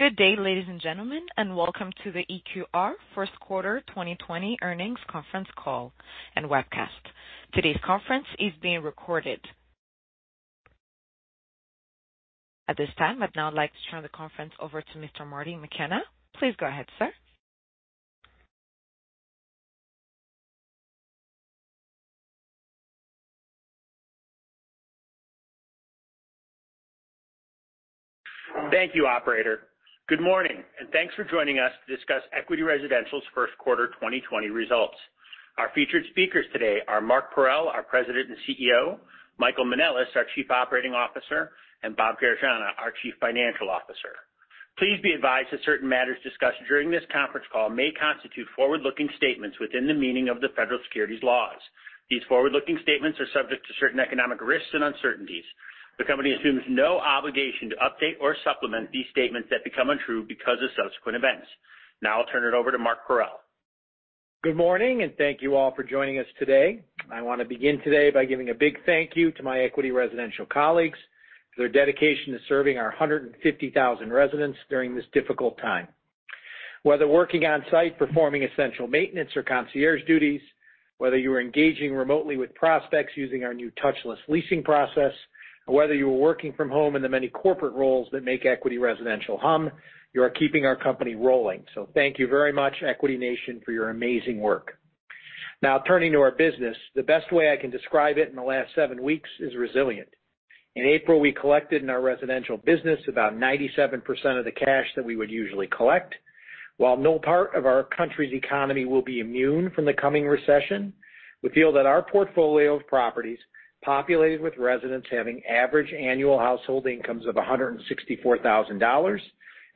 Good day, ladies and gentlemen, welcome to the EQR first quarter 2020 earnings conference call and webcast. Today's conference is being recorded. At this time, I'd now like to turn the conference over to Mr. Marty McKenna. Please go ahead, sir. Thank you, operator. Good morning, thanks for joining us to discuss Equity Residential's first quarter 2020 results. Our featured speakers today are Mark Parrell, our President and CEO, Michael Manelis, our Chief Operating Officer, and Bob Garechana, our Chief Financial Officer. Please be advised that certain matters discussed during this conference call may constitute forward-looking statements within the meaning of the federal securities laws. These forward-looking statements are subject to certain economic risks and uncertainties. The company assumes no obligation to update or supplement these statements that become untrue because of subsequent events. I'll turn it over to Mark Parrell. Good morning. Thank you all for joining us today. I want to begin today by giving a big thank you to my Equity Residential colleagues for their dedication to serving our 150,000 residents during this difficult time. Whether working on site, performing essential maintenance or concierge duties, whether you are engaging remotely with prospects using our new touchless leasing process, or whether you are working from home in the many corporate roles that make Equity Residential hum, you are keeping our company rolling. Thank you very much, Equity Nation, for your amazing work. Now turning to our business, the best way I can describe it in the last seven weeks is resilient. In April, we collected in our residential business about 97% of the cash that we would usually collect. While no part of our country's economy will be immune from the coming recession, we feel that our portfolio of properties populated with residents having average annual household incomes of $164,000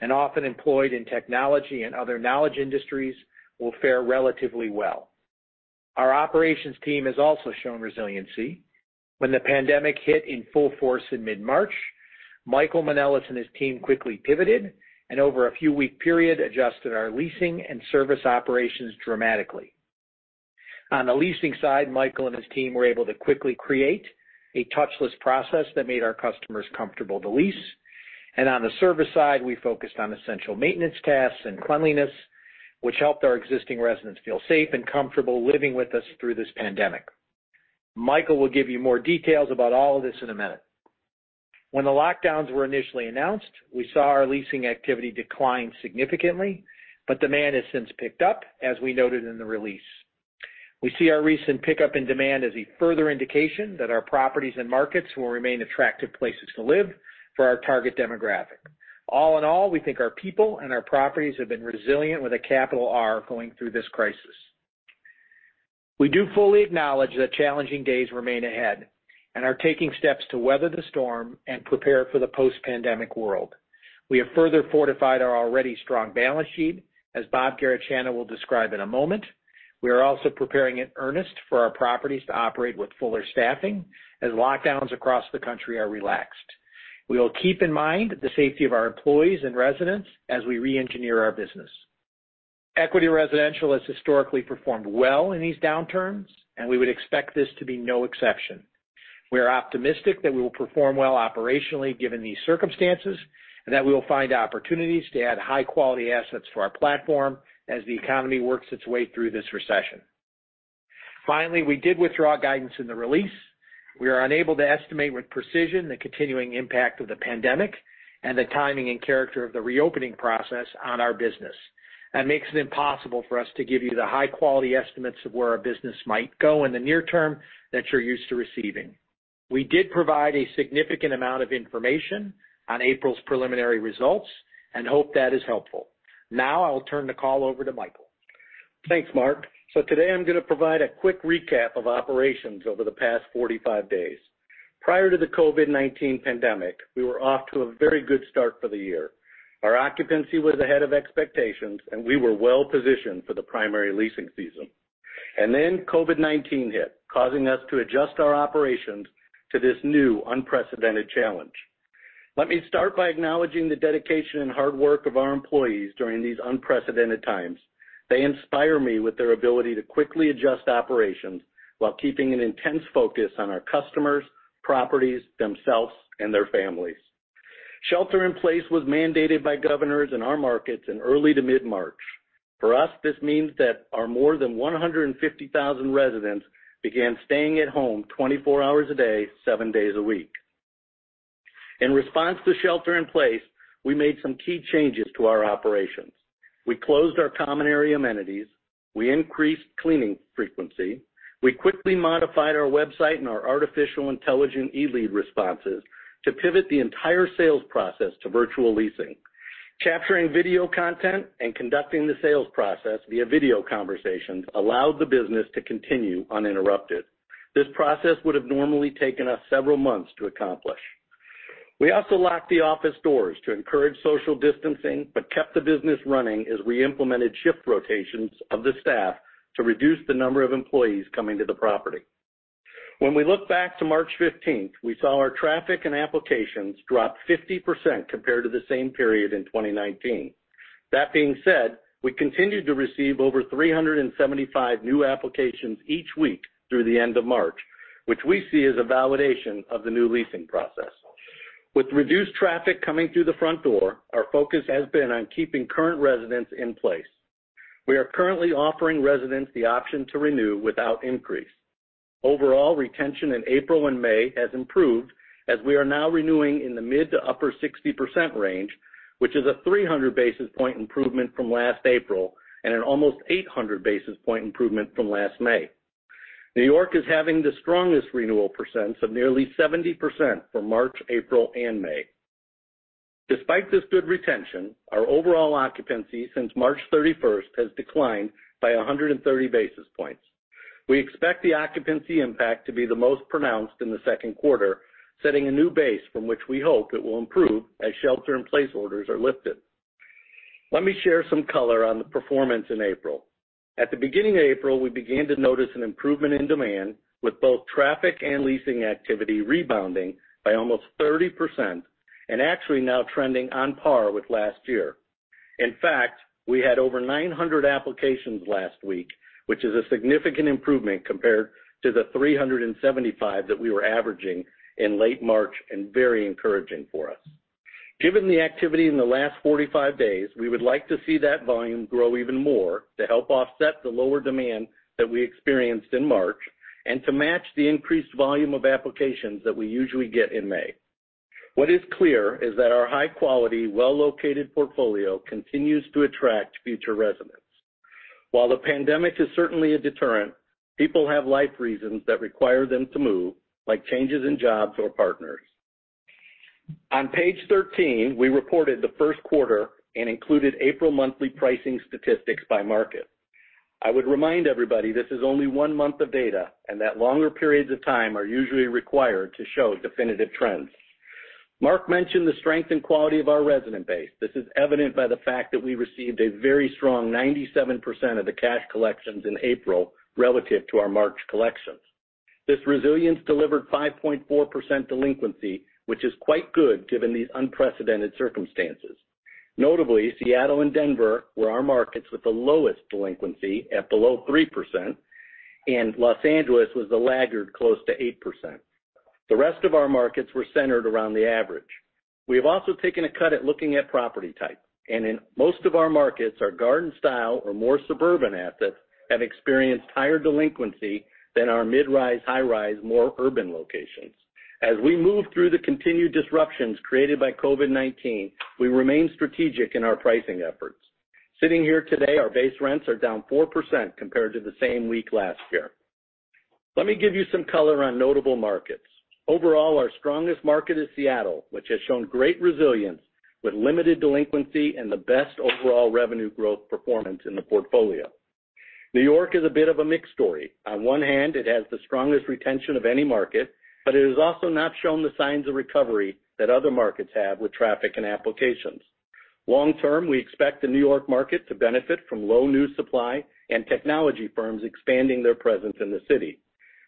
and often employed in technology and other knowledge industries will fare relatively well. Our operations team has also shown resiliency. When the pandemic hit in full force in mid-March, Michael Manelis and his team quickly pivoted and over a few week period, adjusted our leasing and service operations dramatically. On the leasing side, Michael and his team were able to quickly create a touchless process that made our customers comfortable to lease. On the service side, we focused on essential maintenance tasks and cleanliness, which helped our existing residents feel safe and comfortable living with us through this pandemic. Michael will give you more details about all of this in a minute. When the lockdowns were initially announced, we saw our leasing activity decline significantly, but demand has since picked up, as we noted in the release. We see our recent pickup in demand as a further indication that our properties and markets will remain attractive places to live for our target demographic. All in all, we think our people and our properties have been resilient with a capital R going through this crisis. We do fully acknowledge that challenging days remain ahead and are taking steps to weather the storm and prepare for the post-pandemic world. We have further fortified our already strong balance sheet, as Bob Garechana will describe in a moment. We are also preparing in earnest for our properties to operate with fuller staffing as lockdowns across the country are relaxed. We will keep in mind the safety of our employees and residents as we re-engineer our business. Equity Residential has historically performed well in these downturns, and we would expect this to be no exception. We are optimistic that we will perform well operationally given these circumstances, and that we will find opportunities to add high-quality assets to our platform as the economy works its way through this recession. Finally, we did withdraw guidance in the release. We are unable to estimate with precision the continuing impact of the pandemic and the timing and character of the reopening process on our business. That makes it impossible for us to give you the high-quality estimates of where our business might go in the near term that you're used to receiving. We did provide a significant amount of information on April's preliminary results and hope that is helpful. Now I will turn the call over to Michael. Thanks, Mark. Today I'm going to provide a quick recap of operations over the past 45 days. Prior to the COVID-19 pandemic, we were off to a very good start for the year. Our occupancy was ahead of expectations, we were well positioned for the primary leasing season. COVID-19 hit, causing us to adjust our operations to this new unprecedented challenge. Let me start by acknowledging the dedication and hard work of our employees during these unprecedented times. They inspire me with their ability to quickly adjust operations while keeping an intense focus on our customers, properties, themselves, and their families. Shelter in place was mandated by governors in our markets in early to mid-March. For us, this means that our more than 150,000 residents began staying at home 24 hours a day, seven days a week. In response to shelter in place, we made Sam's key changes to our operations. We closed our common area amenities. We increased cleaning frequency. We quickly modified our website and our artificial intelligence e-lead responses to pivot the entire sales process to virtual leasing. Capturing video content and conducting the sales process via video conversations allowed the business to continue uninterrupted. This process would have normally taken us several months to accomplish. We also locked the office doors to encourage social distancing but kept the business running as we implemented shift rotations of the staff to reduce the number of employees coming to the property. When we look back to March 15th, we saw our traffic and applications drop 50% compared to the same period in 2019. That being said, we continued to receive over 375 new applications each week through the end of March, which we see as a validation of the new leasing process. With reduced traffic coming through the front door, our focus has been on keeping current residents in place. We are currently offering residents the option to renew without increase. Overall, retention in April and May has improved, as we are now renewing in the mid to upper 60% range, which is a 300 basis point improvement from last April, and an almost 800 basis point improvement from last May. New York is having the strongest renewal percent of nearly 70% for March, April, and May. Despite this good retention, our overall occupancy since March 31st has declined by 130 basis points. We expect the occupancy impact to be the most pronounced in the second quarter, setting a new base from which we hope it will improve as shelter in place orders are lifted. Let me share some color on the performance in April. At the beginning of April, we began to notice an improvement in demand, with both traffic and leasing activity rebounding by almost 30% and actually now trending on par with last year. In fact, we had over 900 applications last week, which is a significant improvement compared to the 375 that we were averaging in late March, and very encouraging for us. Given the activity in the last 45 days, we would like to see that volume grow even more to help offset the lower demand that we experienced in March, and to match the increased volume of applications that we usually get in May. What is clear is that our high-quality, well-located portfolio continues to attract future residents. While the pandemic is certainly a deterrent, people have life reasons that require them to move, like changes in jobs or partners. On page 13, we reported the first quarter and included April monthly pricing statistics by market. I would remind everybody this is only one month of data, and that longer periods of time are usually required to show definitive trends. Mark mentioned the strength and quality of our resident base. This is evident by the fact that we received a very strong 97% of the cash collections in April relative to our March collections. This resilience delivered 5.4% delinquency, which is quite good given these unprecedented circumstances. Notably, Seattle and Denver were our markets with the lowest delinquency at below 3%, and Los Angeles was the laggard close to 8%. The rest of our markets were centered around the average. We have also taken a cut at looking at property type. In most of our markets, our garden-style or more suburban assets have experienced higher delinquency than our mid-rise, high-rise, more urban locations. As we move through the continued disruptions created by COVID-19, we remain strategic in our pricing efforts. Sitting here today, our base rents are down 4% compared to the same week last year. Let me give you some color on notable markets. Overall, our strongest market is Seattle, which has shown great resilience with limited delinquency and the best overall revenue growth performance in the portfolio. New York is a bit of a mixed story. On one hand, it has the strongest retention of any market. It has also not shown the signs of recovery that other markets have with traffic and applications. Long term, we expect the New York market to benefit from low new supply and technology firms expanding their presence in the city.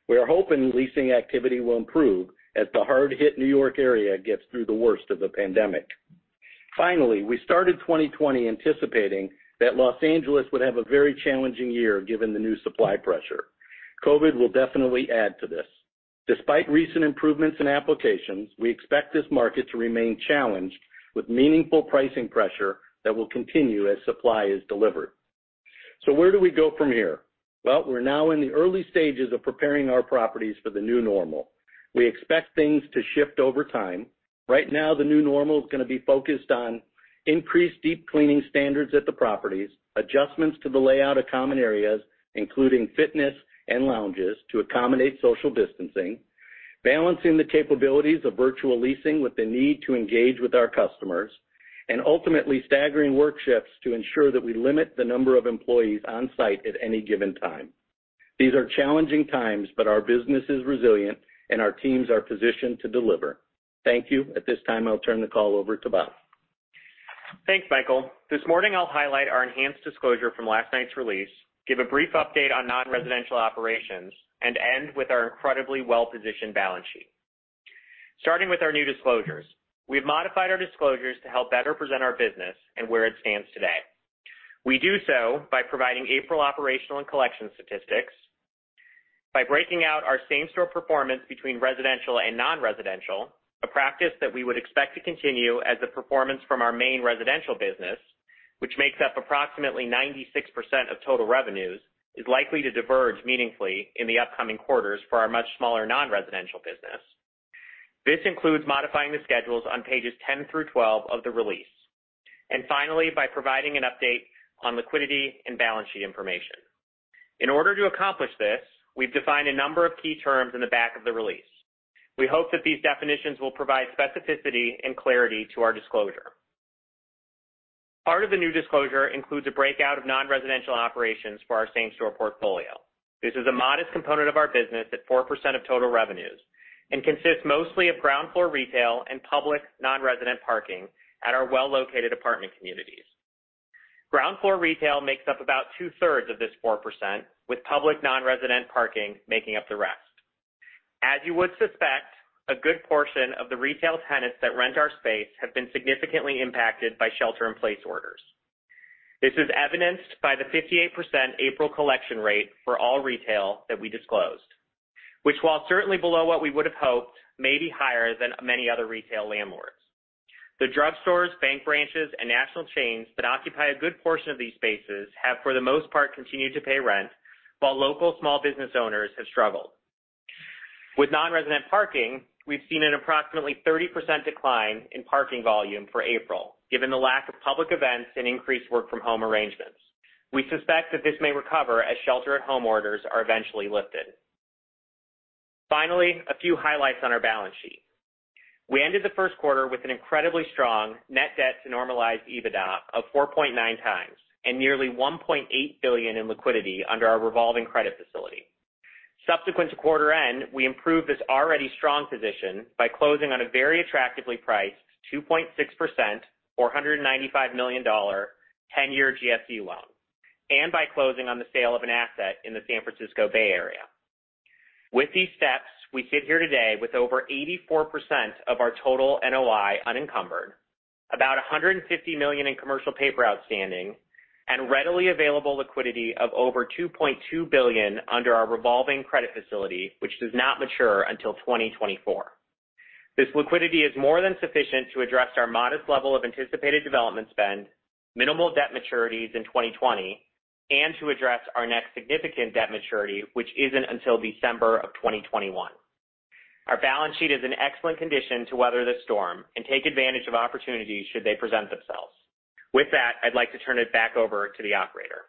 We are hoping leasing activity will improve as the hard-hit New York area gets through the worst of the pandemic. We started 2020 anticipating that Los Angeles would have a very challenging year given the new supply pressure. COVID will definitely add to this. Despite recent improvements in applications, we expect this market to remain challenged with meaningful pricing pressure that will continue as supply is delivered. Where do we go from here? Well, we're now in the early stages of preparing our properties for the new normal. We expect things to shift over time. Right now, the new normal is going to be focused on increased deep cleaning standards at the properties, adjustments to the layout of common areas, including fitness and lounges to accommodate social distancing, balancing the capabilities of virtual leasing with the need to engage with our customers, and ultimately staggering work shifts to ensure that we limit the number of employees on-site at any given time. These are challenging times, but our business is resilient, and our teams are positioned to deliver. Thank you. At this time, I'll turn the call over to Bob. Thanks, Michael. This morning I'll highlight our enhanced disclosure from last night's release, give a brief update on non-residential operations, and end with our incredibly well-positioned balance sheet. Starting with our new disclosures. We've modified our disclosures to help better present our business and where it stands today. We do so by providing April operational and collection statistics, by breaking out our same-store performance between residential and non-residential, a practice that we would expect to continue as the performance from our main residential business, which makes up approximately 96% of total revenues, is likely to diverge meaningfully in the upcoming quarters for our much smaller non-residential business. This includes modifying the schedules on pages 10 through 12 of the release. Finally, by providing an update on liquidity and balance sheet information. In order to accomplish this, we've defined a number of key terms in the back of the release. We hope that these definitions will provide specificity and clarity to our disclosure. Part of the new disclosure includes a breakout of non-residential operations for our same-store portfolio. This is a modest component of our business at 4% of total revenues and consists mostly of ground-floor retail and public non-resident parking at our well-located apartment communities. Ground-floor retail makes up about two-thirds of this 4%, with public non-resident parking making up the rest. As you would suspect, a good portion of the retail tenants that rent our space have been significantly impacted by shelter-in-place orders. This is evidenced by the 58% April collection rate for all retail that we disclosed, which while certainly below what we would have hoped, may be higher than many other retail landlords. The drugstores, bank branches, and national chains that occupy a good portion of these spaces have, for the most part, continued to pay rent while local small business owners have struggled. With non-resident parking, we've seen an approximately 30% decline in parking volume for April, given the lack of public events and increased work-from-home arrangements. We suspect that this may recover as shelter-at-home orders are eventually lifted. Finally, a few highlights on our balance sheet. We ended the first quarter with an incredibly strong net debt to normalized EBITDA of 4.9 times and nearly $1.8 billion in liquidity under our revolving credit facility. Subsequent to quarter end, we improved this already strong position by closing on a very attractively priced 2.6%, or $195 million 10-year GSE loan. By closing on the sale of an asset in the San Francisco Bay Area. With these steps, we sit here today with over 84% of our total NOI unencumbered, about $150 million in commercial paper outstanding, and readily available liquidity of over $2.2 billion under our revolving credit facility, which does not mature until 2024. This liquidity is more than sufficient to address our modest level of anticipated development spend, minimal debt maturities in 2020, and to address our next significant debt maturity, which isn't until December of 2021. Our balance sheet is in excellent condition to weather the storm and take advantage of opportunities should they present themselves. With that, I'd like to turn it back over to the operator.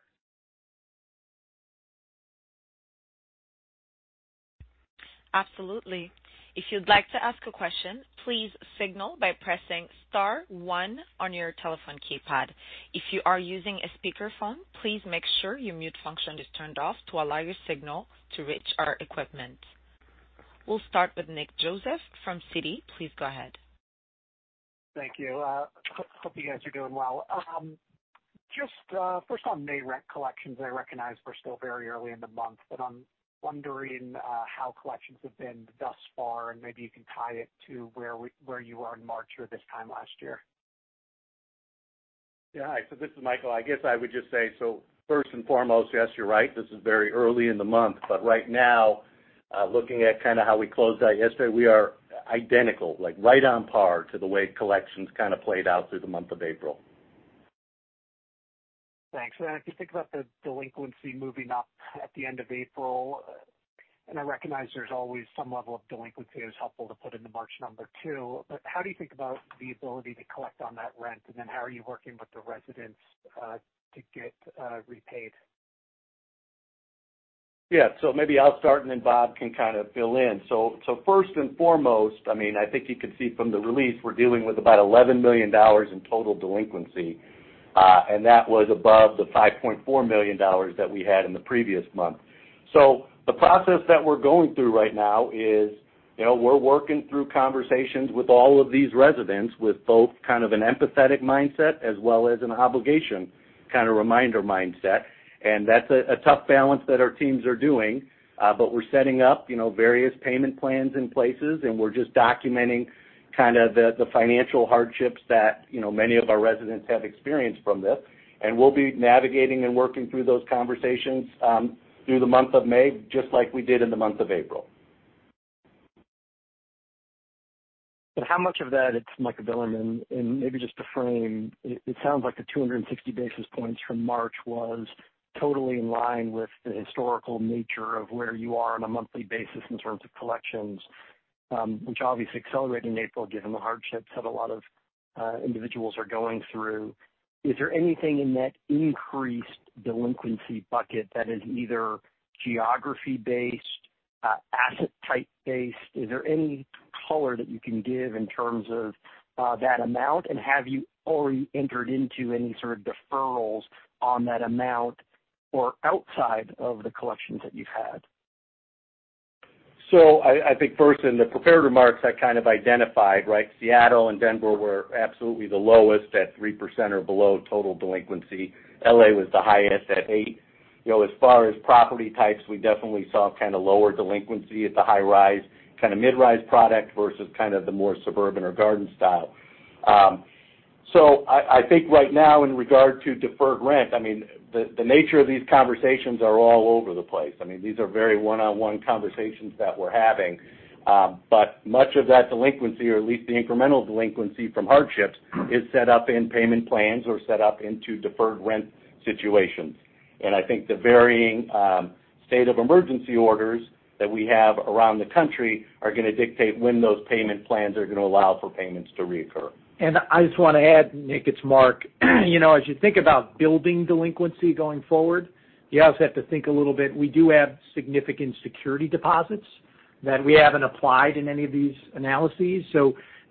Absolutely. If you'd like to ask a question, please signal by pressing star one on your telephone keypad. If you are using a speakerphone, please make sure your mute function is turned off to allow your signal to reach our equipment. We'll start with Nick Joseph from Citi. Please go ahead. Thank you. Hope you guys are doing well. Just first on May rent collections, I recognize we're still very early in the month. I'm wondering how collections have been thus far. Maybe you can tie it to where you were in March or this time last year. Yeah. Hi, this is Michael. I guess I would just say, first and foremost, yes, you're right, this is very early in the month. Right now, looking at kind of how we closed out yesterday, we are identical, like right on par to the way collections kind of played out through the month of April. Thanks. If you think about the delinquency moving up at the end of April, and I recognize there's always some level of delinquency, it was helpful to put in the March number too. How do you think about the ability to collect on that rent? Then how are you working with the residents to get repaid? Yeah. Maybe I'll start, and then Bob can kind of fill in. First and foremost, I think you can see from the release we're dealing with about $11 million in total delinquency. That was above the $5.4 million that we had in the previous month. The process that we're going through right now is we're working through conversations with all of these residents with both kind of an empathetic mindset as well as an obligation kind of reminder mindset. That's a tough balance that our teams are doing. We're setting up various payment plans in places, and we're just documenting kind of the financial hardships that many of our residents have experienced from this. We'll be navigating and working through those conversations through the month of May, just like we did in the month of April. Mike Bilerman and maybe just to frame, it sounds like the 260 basis points from March was totally in line with the historical nature of where you are on a monthly basis in terms of collections, which obviously accelerated in April given the hardships that a lot of individuals are going through. Is there anything in that increased delinquency bucket that is either geography-based, asset type-based? Is there any color that you can give in terms of that amount, and have you already entered into any sort of deferrals on that amount or outside of the collections that you've had? I think first in the prepared remarks, I kind of identified, Seattle and Denver were absolutely the lowest at 3% or below total delinquency. L.A. was the highest at 8%. As far as property types, we definitely saw kind of lower delinquency at the high rise, kind of mid-rise product versus kind of the more suburban or garden style. I think right now in regard to deferred rent, the nature of these conversations are all over the place. These are very one-on-one conversations that we're having. Much of that delinquency or at least the incremental delinquency from hardships is set up in payment plans or set up into deferred rent situations. I think the varying state of emergency orders that we have around the country are going to dictate when those payment plans are going to allow for payments to reoccur. I just want to add, Nick, it's Mark. As you think about building delinquency going forward, you also have to think a little bit, we do have significant security deposits that we haven't applied in any of these analyses.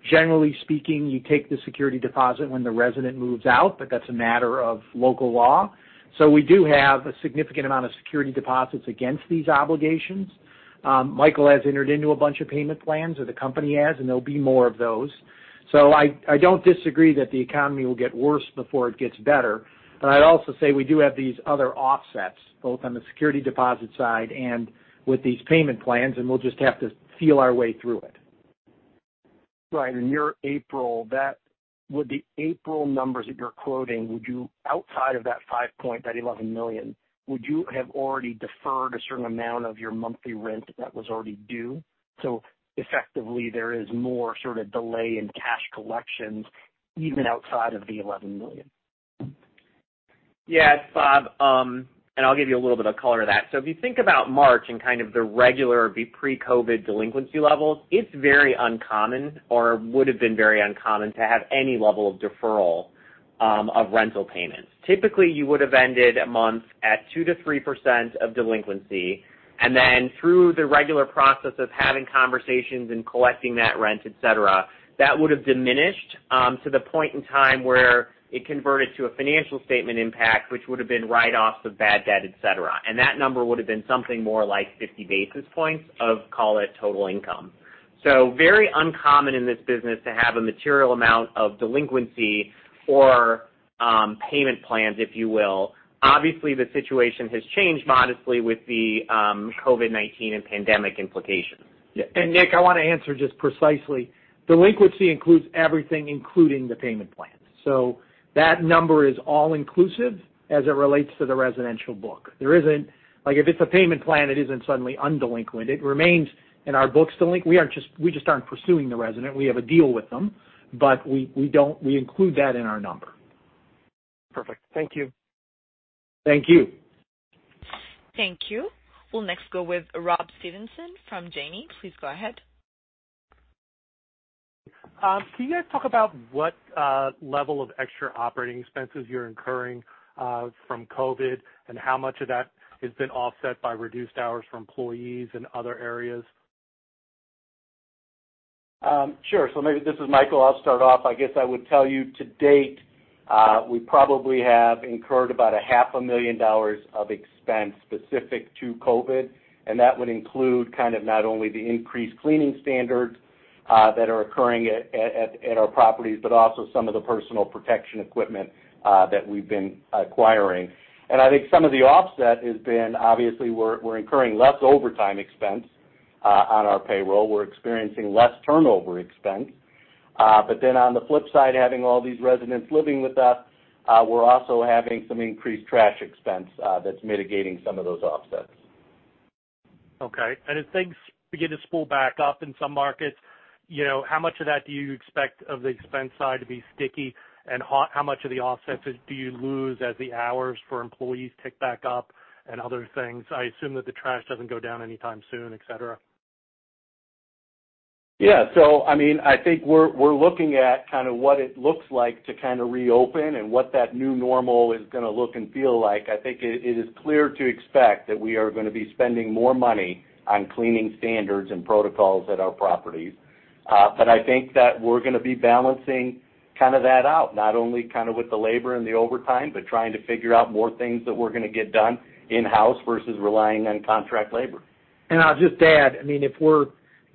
Generally speaking, you take the security deposit when the resident moves out, but that's a matter of local law. We do have a significant amount of security deposits against these obligations. Michael has entered into a bunch of payment plans, or the company has, and there'll be more of those. I don't disagree that the economy will get worse before it gets better. I'd also say we do have these other offsets, both on the security deposit side and with these payment plans, and we'll just have to feel our way through it. Right. In your April, with the April numbers that you're quoting, outside of that $11 million, would you have already deferred a certain amount of your monthly rent that was already due? Effectively, there is more sort of delay in cash collections even outside of the $11 million. Yes, Bob, I'll give you a little bit of color to that. If you think about March and kind of the regular pre-COVID delinquency levels, it's very uncommon or would've been very uncommon to have any level of deferral of rental payments. Typically, you would've ended a month at 2%-3% of delinquency, and then through the regular process of having conversations and collecting that rent, et cetera, that would've diminished to the point in time where it converted to a financial statement impact, which would've been write-offs of bad debt, et cetera. That number would've been something more like 50 basis points of, call it, total income. Very uncommon in this business to have a material amount of delinquency or payment plans, if you will. Obviously, the situation has changed modestly with the COVID-19 and pandemic implications. Yeah. Nick, I want to answer just precisely. Delinquency includes everything, including the payment plans. That number is all inclusive as it relates to the residential book. If it's a payment plan, it isn't suddenly undelinquent. It remains in our books delinquent. We just aren't pursuing the resident. We have a deal with them, but we include that in our number. Perfect. Thank you. Thank you. Thank you. We'll next go with Rob Stevenson from Janney. Please go ahead. Can you guys talk about what level of extra operating expenses you're incurring from COVID, and how much of that has been offset by reduced hours for employees and other areas? Sure. Maybe this is Michael, I'll start off. I guess I would tell you to date, we probably have incurred about a 500 million dollars of expense specific to COVID, and that would include kind of not only the increased cleaning standards that are occurring at our properties, but also some of the personal protection equipment that we've been acquiring. I think some of the offset has been, obviously, we're incurring less overtime expense on our payroll. We're experiencing less turnover expense. On the flip side, having all these residents living with us, we're also having some increased trash expense that's mitigating some of those offsets. Okay. As things begin to spool back up in some markets, how much of that do you expect of the expense side to be sticky, and how much of the offsets do you lose as the hours for employees tick back up and other things? I assume that the trash doesn't go down anytime soon, et cetera. Yeah. I think we're looking at kind of what it looks like to kind of reopen and what that new normal is going to look and feel like. I think it is clear to expect that we are going to be spending more money on cleaning standards and protocols at our properties. I think that we're going to be balancing kind of that out, not only kind of with the labor and the overtime, but trying to figure out more things that we're going to get done in-house versus relying on contract labor. I'll just add,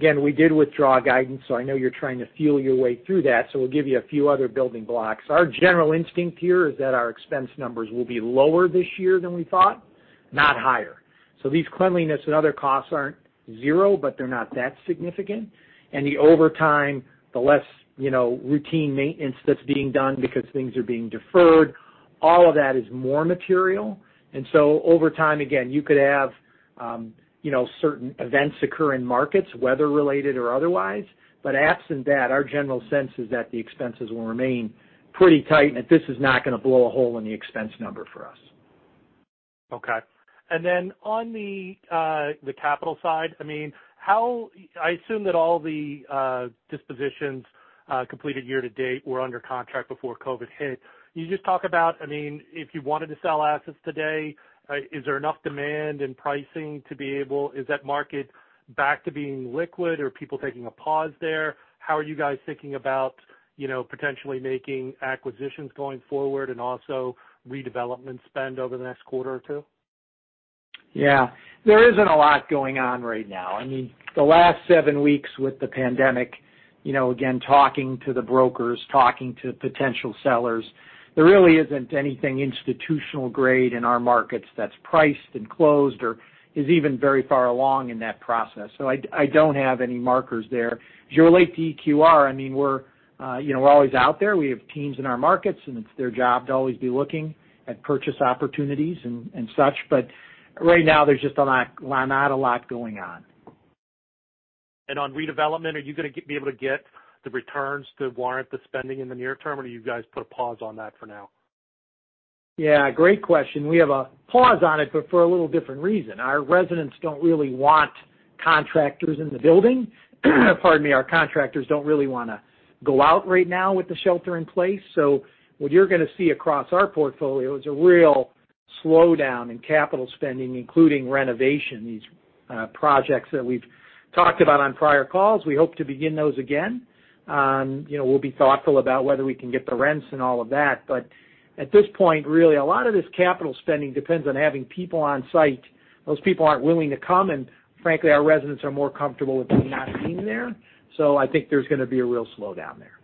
again, we did withdraw guidance, so I know you're trying to feel your way through that, so we'll give you a few other building blocks. Our general instinct here is that our expense numbers will be lower this year than we thought, not higher. These cleanliness and other costs aren't zero, but they're not that significant. The overtime, the less routine maintenance that's being done because things are being deferred, all of that is more material. Over time, again, you could have certain events occur in markets, weather related or otherwise. Absent that, our general sense is that the expenses will remain pretty tight and that this is not going to blow a hole in the expense number for us. Okay. On the capital side, I assume that all the dispositions completed year to date were under contract before COVID hit. Can you just talk about if you wanted to sell assets today, is there enough demand in pricing? Is that market back to being liquid? Are people taking a pause there? How are you guys thinking about potentially making acquisitions going forward and also redevelopment spend over the next quarter or two? Yeah. There isn't a lot going on right now. The last seven weeks with the pandemic, again, talking to the brokers, talking to potential sellers, there really isn't anything institutional grade in our markets that's priced and closed or is even very far along in that process. I don't have any markers there. As you relate to EQR, we're always out there. We have teams in our markets, and it's their job to always be looking at purchase opportunities and such. Right now, there's just not a lot going on. On redevelopment, are you going to be able to get the returns to warrant the spending in the near term, or do you guys put a pause on that for now? Yeah. Great question. We have a pause on it for a little different reason. Our residents don't really want contractors in the building. Pardon me. Our contractors don't really want to go out right now with the shelter in place. What you're going to see across our portfolio is a real slowdown in capital spending, including renovation. These projects that we've talked about on prior calls, we hope to begin those again. We'll be thoughtful about whether we can get the rents and all of that. At this point, really, a lot of this capital spending depends on having people on site. Those people aren't willing to come, and frankly, our residents are more comfortable with them not being there. I think there's going to be a real slowdown there.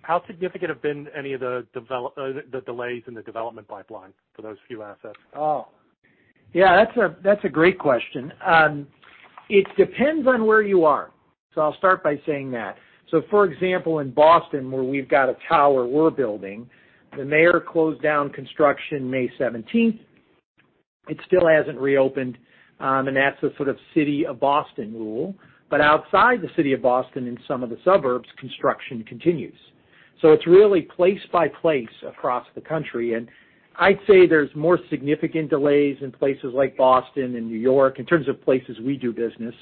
How significant have been any of the delays in the development pipeline for those few assets? Oh, yeah. That's a great question. It depends on where you are. I'll start by saying that. For example, in Boston, where we've got a tower we're building, the mayor closed down construction May 17th. It still hasn't reopened, and that's the sort of city of Boston rule, but outside the city of Boston in some of the suburbs, construction continues. It's really place by place across the country, and I'd say there's more significant delays in places like Boston and New York in terms of places we do business,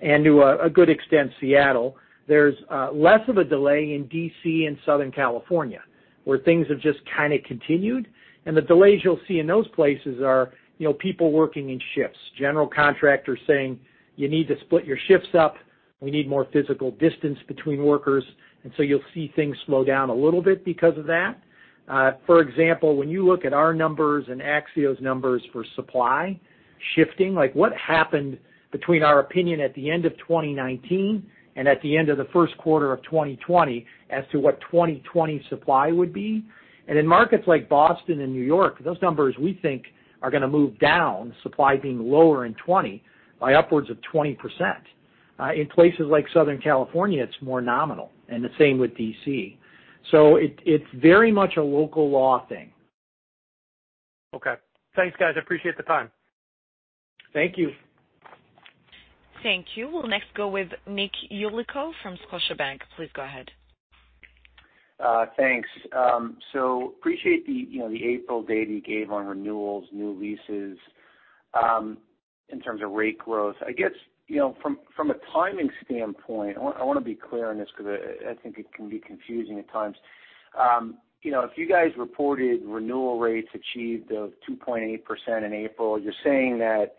and to a good extent, Seattle. There's less of a delay in D.C. and Southern California, where things have just kind of continued. The delays you'll see in those places are people working in shifts. General contractors saying, "You need to split your shifts up. We need more physical distance between workers". You'll see things slow down a little bit because of that. For example, when you look at our numbers and Axio numbers for supply shifting, like what happened between our opinion at the end of 2019 and at the end of the first quarter of 2020 as to what 2020 supply would be. In markets like Boston and New York, those numbers, we think, are going to move down, supply being lower in 2020, by upwards of 20%. In places like Southern California, it's more nominal, and the same with D.C. It's very much a local law thing. Okay. Thanks, guys. I appreciate the time. Thank you. Thank you. We'll next go with Nick Yulico from Scotiabank. Please go ahead. Thanks. I appreciate the April date you gave on renewals, new leases, in terms of rate growth. I guess, from a timing standpoint, I want to be clear on this because I think it can be confusing at times. If you guys reported renewal rates achieved of 2.8% in April, you're saying that,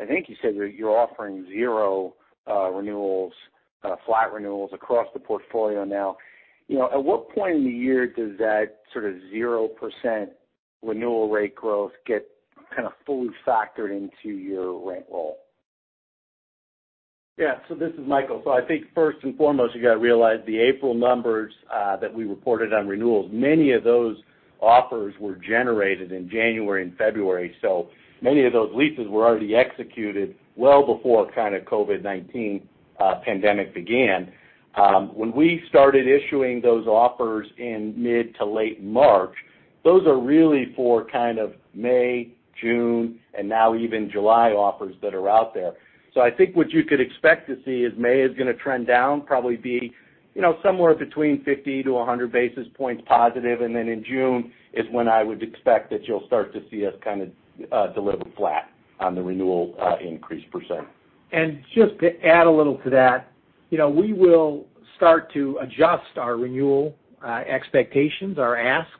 I think you said you're offering zero renewals, flat renewals across the portfolio now. At what point in the year does that sort of 0% renewal rate growth get kind of fully factored into your rent roll? This is Michael. I think first and foremost, you got to realize the April numbers that we reported on renewals, many of those offers were generated in January and February. Many of those leases were already executed well before kind of COVID-19 pandemic began. When we started issuing those offers in mid to late March, those are really for kind of May, June, and now even July offers that are out there. I think what you could expect to see is May is going to trend down, probably be somewhere between 50 to 100 basis points positive, and then in June is when I would expect that you'll start to see us kind of deliver flat on the renewal increase percent. Just to add a little to that, we will start to adjust our renewal expectations, our asks,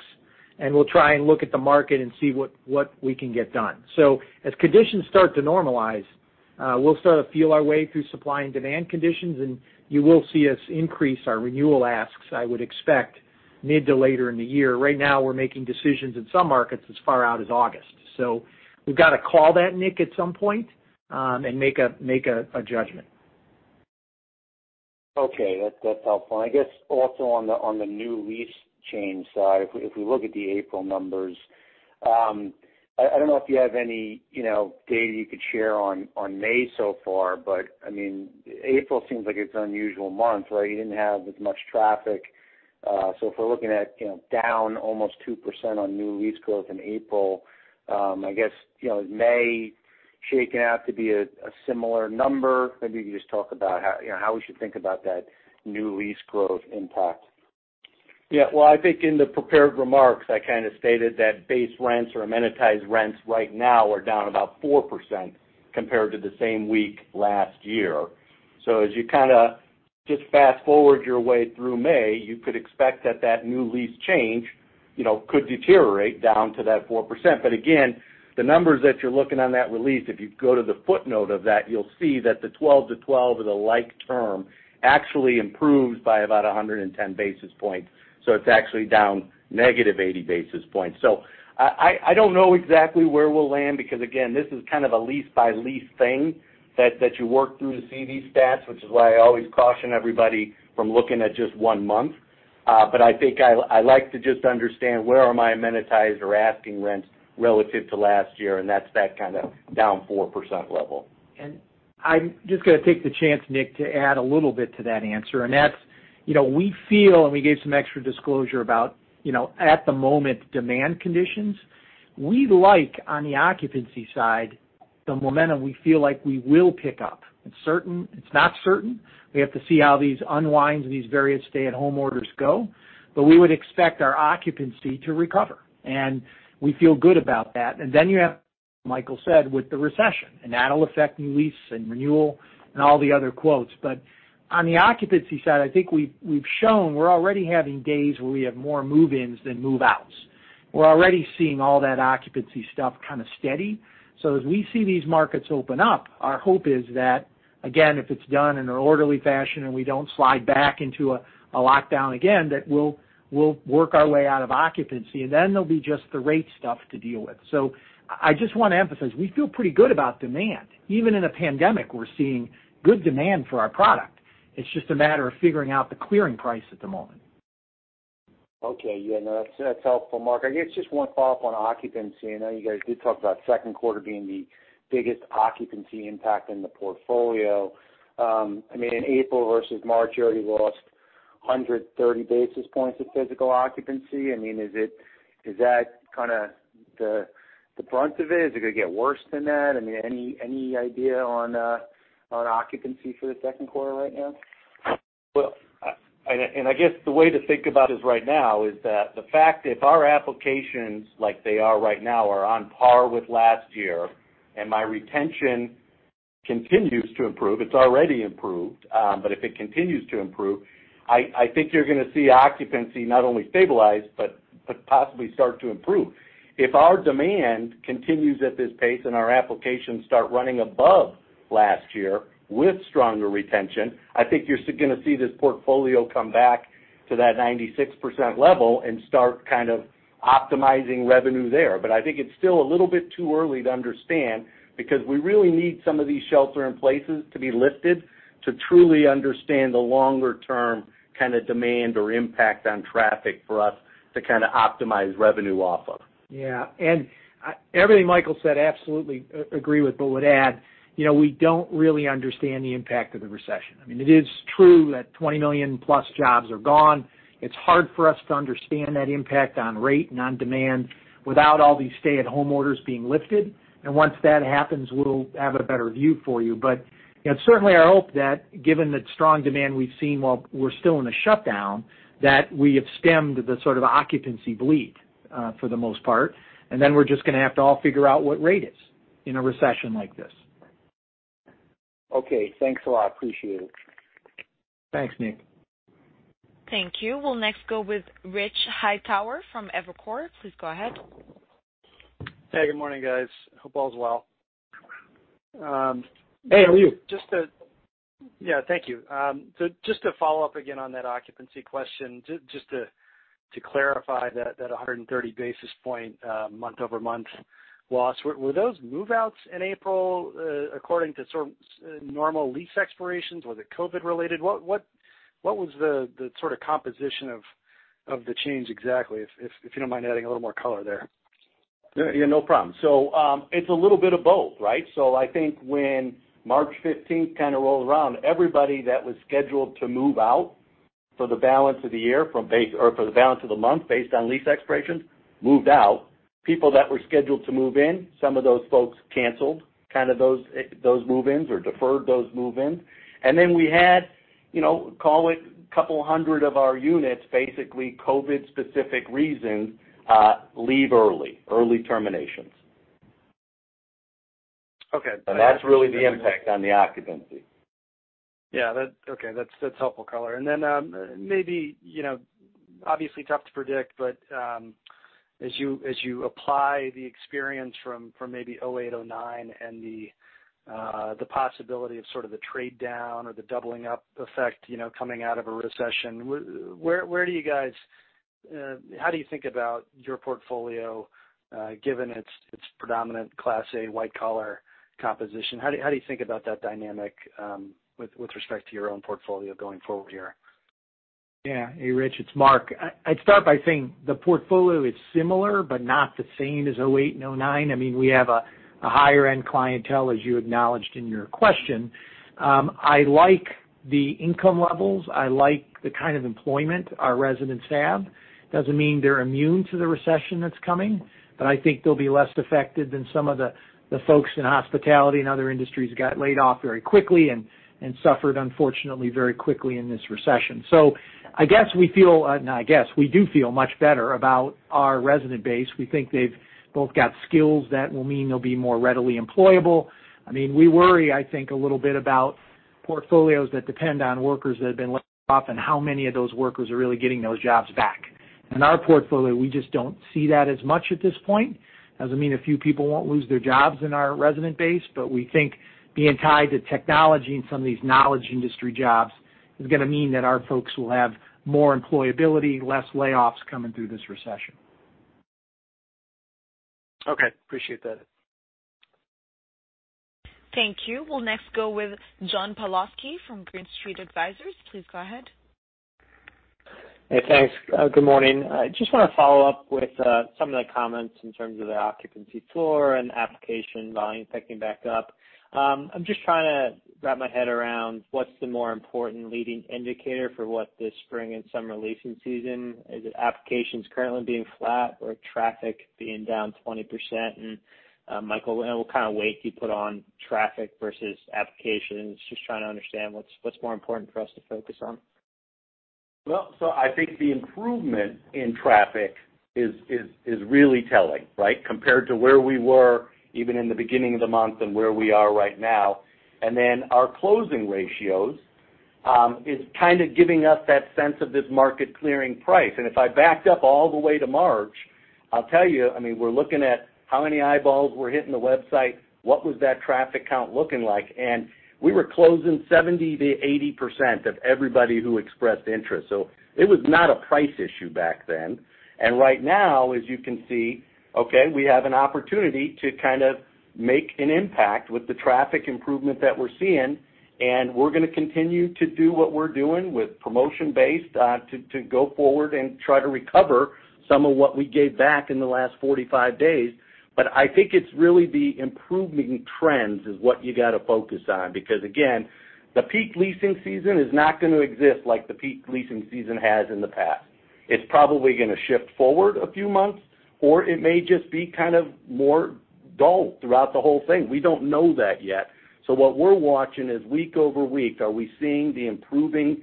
and we'll try and look at the market and see what we can get done. As conditions start to normalize, we'll start to feel our way through supply and demand conditions, and you will see us increase our renewal asks, I would expect mid to later in the year. Right now, we're making decisions in some markets as far out as August. We've got to call that, Nick, at some point, and make a judgment. Okay. That's helpful. I guess also on the new lease change side, if we look at the April numbers, I don't know if you have any data you could share on May so far, but I mean, April seems like it's an unusual month, right? You didn't have as much traffic. If we're looking at down almost 2% on new lease growth in April, I guess May is shaking out to be a similar number. Maybe you could just talk about how we should think about that new lease growth impact. Well, I think in the prepared remarks, I kind of stated that base rents or amenitized rents right now are down about 4% compared to the same week last year. As you kind of just fast-forward your way through May, you could expect that that new lease change could deteriorate down to that 4%. Again, the numbers that you're looking on that release, if you go to the footnote of that, you'll see that the 12 to 12 or the like term actually improves by about 110 basis points. It's actually down negative 80 basis points. I don't know exactly where we'll land because, again, this is kind of a lease by lease thing that you work through to see these stats, which is why I always caution everybody from looking at just one month. I think I like to just understand where are my amenitized or asking rents relative to last year, and that's that kind of down 4% level. I'm just going to take the chance, Nick, to add a little bit to that answer, and that's we feel, and we gave some extra disclosure about at the moment demand conditions. We like on the occupancy side, the momentum we feel like we will pick up. It's not certain. We have to see how these unwinds and these various stay-at-home orders go. We would expect our occupancy to recover, and we feel good about that. You have, Michael said, with the recession, and that'll affect new lease and renewal and all the other quotes. On the occupancy side, I think we've shown we're already having days where we have more move-ins than move-outs. We're already seeing all that occupancy stuff kind of steady. As we see these markets open up, our hope is that, again, if it's done in an orderly fashion and we don't slide back into a lockdown again, that we'll work our way out of occupancy, and then there'll be just the rate stuff to deal with. I just want to emphasize, we feel pretty good about demand. Even in a pandemic, we're seeing good demand for our product. It's just a matter of figuring out the clearing price at the moment. Okay. Yeah, no, that's helpful, Mark. I guess just one follow-up on occupancy. I know you guys did talk about second quarter being the biggest occupancy impact in the portfolio. In April versus March, you already lost 130 basis points of physical occupancy. Is that the brunt of it? Is it going to get worse than that? Any idea on occupancy for the second quarter right now? Well, I guess the way to think about this right now is that the fact if our applications, like they are right now, are on par with last year, and my retention continues to improve, it's already improved, but if it continues to improve, I think you're going to see occupancy not only stabilize but possibly start to improve. If our demand continues at this pace and our applications start running above last year with stronger retention, I think you're going to see this portfolio come back to that 96% level and start kind of optimizing revenue there. I think it's still a little bit too early to understand because we really need some of these shelter-in-places to be lifted to truly understand the longer-term kind of demand or impact on traffic for us to kind of optimize revenue off of. Yeah. Everything Michael said, absolutely agree with, but would add, we don't really understand the impact of the recession. It is true that 20 million plus jobs are gone. It's hard for us to understand that impact on rate and on demand without all these stay-at-home orders being lifted. Once that happens, we'll have a better view for you. Certainly I hope that given the strong demand we've seen while we're still in a shutdown, that we have stemmed the sort of occupancy bleed for the most part, and then we're just going to have to all figure out what rate is in a recession like this. Okay, thanks a lot. Appreciate it. Thanks, Nick. Thank you. We'll next go with Rich Hightower from Evercore. Please go ahead. Hey, good morning, guys. Hope all is well. Hey, how are you? Yeah, thank you. Just to follow up again on that occupancy question, just to clarify that 130 basis points month-over-month loss. Were those move-outs in April according to sort of normal lease expirations? Was it COVID-19 related? What was the sort of composition of the change exactly? If you don't mind adding a little more color there. Yeah, no problem. It's a little bit of both, right? I think when March 15th kind of rolled around, everybody that was scheduled to move out for the balance of the month based on lease expirations, moved out. People that were scheduled to move in, some of those folks canceled kind of those move-ins or deferred those move-ins. We had, call it 200 of our units, basically COVID specific reasons, leave early terminations. Okay. That's really the impact on the occupancy. Yeah. Okay. That's helpful color. Maybe, obviously tough to predict, but as you apply the experience from maybe 2008, 2009, and the possibility of sort of the trade down or the doubling up effect coming out of a recession, how do you think about your portfolio given its predominant Class A white collar composition? How do you think about that dynamic with respect to your own portfolio going forward here? Yeah. Hey, Rich, it's Mark. I'd start by saying the portfolio is similar but not the same as '08 and '09. We have a higher end clientele, as you acknowledged in your question. I like the income levels. I like the kind of employment our residents have. Doesn't mean they're immune to the recession that's coming, but I think they'll be less affected than some of the folks in hospitality and other industries that got laid off very quickly and suffered unfortunately very quickly in this recession. Not I guess, we do feel much better about our resident base. We think they've both got skills that will mean they'll be more readily employable. We worry, I think, a little bit about portfolios that depend on workers that have been laid off and how many of those workers are really getting those jobs back. In our portfolio, we just don't see that as much at this point. Doesn't mean a few people won't lose their jobs in our resident base, but we think being tied to technology and some of these knowledge industry jobs is going to mean that our folks will have more employability, less layoffs coming through this recession. Okay. Appreciate that. Thank you. We'll next go with John Pawlowski from Green Street Advisors. Please go ahead. Hey, thanks. Good morning. I just want to follow up with some of the comments in terms of the occupancy floor and application volume ticking back up. I'm just trying to wrap my head around what's the more important leading indicator for what this spring and summer leasing season. Is it applications currently being flat or traffic being down 20%? Michael, what kind of weight do you put on traffic versus applications? Just trying to understand what's more important for us to focus on. Well, I think the improvement in traffic is really telling, right? Compared to where we were even in the beginning of the month and where we are right now. Our closing ratios is kind of giving us that sense of this market clearing price. If I backed up all the way to March, I'll tell you, we're looking at how many eyeballs were hitting the website, what was that traffic count looking like? We were closing 70% to 80% of everybody who expressed interest. It was not a price issue back then. Right now, as you can see, okay, we have an opportunity to kind of make an impact with the traffic improvement that we're seeing, and we're going to continue to do what we're doing with promotion-based to go forward and try to recover some of what we gave back in the last 45 days. I think it's really the improving trends is what you got to focus on, because again, the peak leasing season is not going to exist like the peak leasing season has in the past. It's probably going to shift forward a few months, or it may just be kind of more dull throughout the whole thing. We don't know that yet. What we're watching is week over week, are we seeing the improving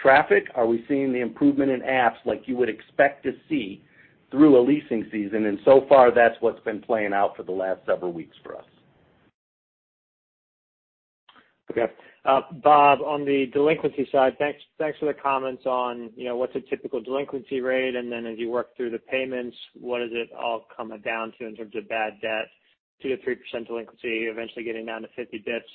traffic? Are we seeing the improvement in apps like you would expect to see through a leasing season? So far, that's what's been playing out for the last several weeks for us. Okay. Bob, on the delinquency side, thanks for the comments on what's a typical delinquency rate, and then as you work through the payments, what does it all come down to in terms of bad debt? 2%-3% delinquency, eventually getting down to 50 basis points.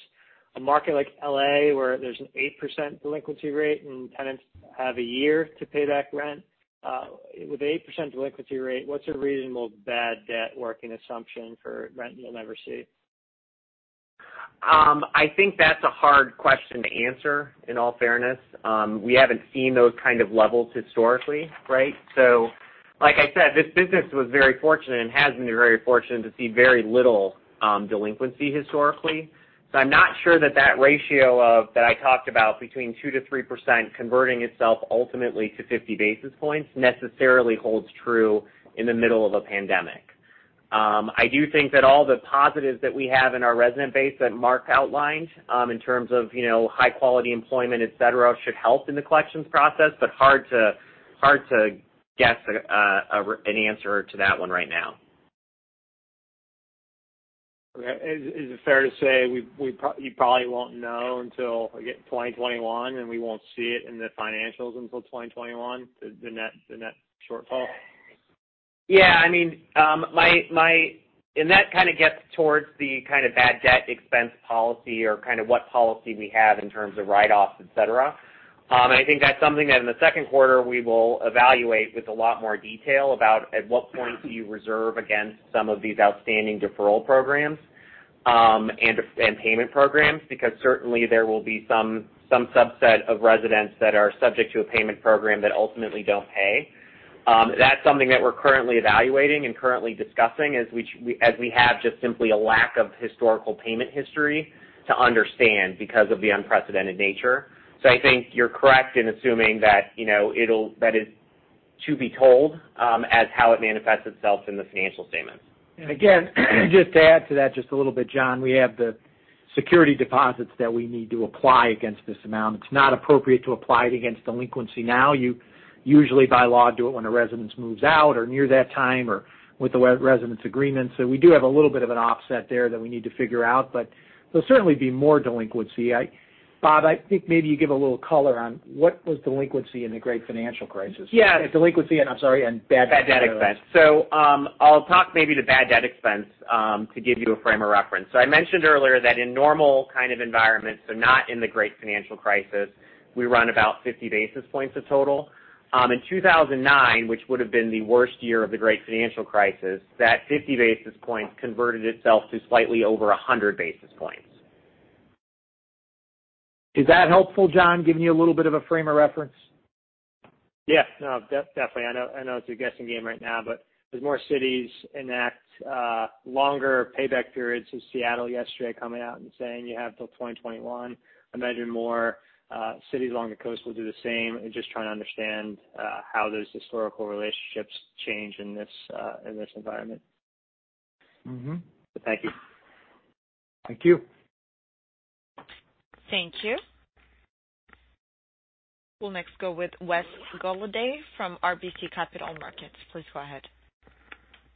A market like L.A., where there's an 8% delinquency rate and tenants have a year to pay back rent. With 8% delinquency rate, what's a reasonable bad debt working assumption for rent you'll never see? I think that's a hard question to answer, in all fairness. We haven't seen those kind of levels historically, right? Like I said, this business was very fortunate and has been very fortunate to see very little delinquency historically. I'm not sure that that ratio that I talked about between 2%-3% converting itself ultimately to 50 basis points necessarily holds true in the middle of a pandemic. I do think that all the positives that we have in our resident base that Mark outlined, in terms of high-quality employment, et cetera, should help in the collections process, but hard to guess an answer to that one right now. Okay. Is it fair to say you probably won't know until we get to 2021, and we won't see it in the financials until 2021, the net shortfall? Yeah. That kind of gets towards the kind of bad debt expense policy or kind of what policy we have in terms of write-offs, et cetera. I think that's something that in the second quarter, we will evaluate with a lot more detail about at what point do you reserve against some of these outstanding deferral programs, and payment programs, because certainly there will be some subset of residents that are subject to a payment program that ultimately don't pay. That's something that we're currently evaluating and currently discussing as we have just simply a lack of historical payment history to understand because of the unprecedented nature. I think you're correct in assuming that is to be told, as how it manifests itself in the financial statements. Again, just to add to that just a little bit, John, we have the security deposits that we need to apply against this amount. It's not appropriate to apply it against delinquency now. You usually by law do it when a residence moves out or near that time or with the residence agreement. We do have a little bit of an offset there that we need to figure out, but there'll certainly be more delinquency. Bob, I think maybe you give a little color on what was delinquency in the great financial crisis? Yeah. Delinquency and, I'm sorry, and bad debt. Bad debt expense. I'll talk maybe to bad debt expense, to give you a frame of reference. I mentioned earlier that in normal kind of environments, not in the Great Financial Crisis, we run about 50 basis points of total. In 2009, which would've been the worst year of the Great Financial Crisis, that 50 basis points converted itself to slightly over 100 basis points. Is that helpful, John? Giving you a little bit of a frame of reference. Yeah. No, definitely. I know it's a guessing game right now, as more cities enact longer payback periods, with Seattle yesterday coming out and saying you have till 2021, I imagine more cities along the coast will do the same and just trying to understand how those historical relationships change in this environment. Thank you. Thank you. Thank you. We'll next go with Wes Golladay from RBC Capital Markets. Please go ahead.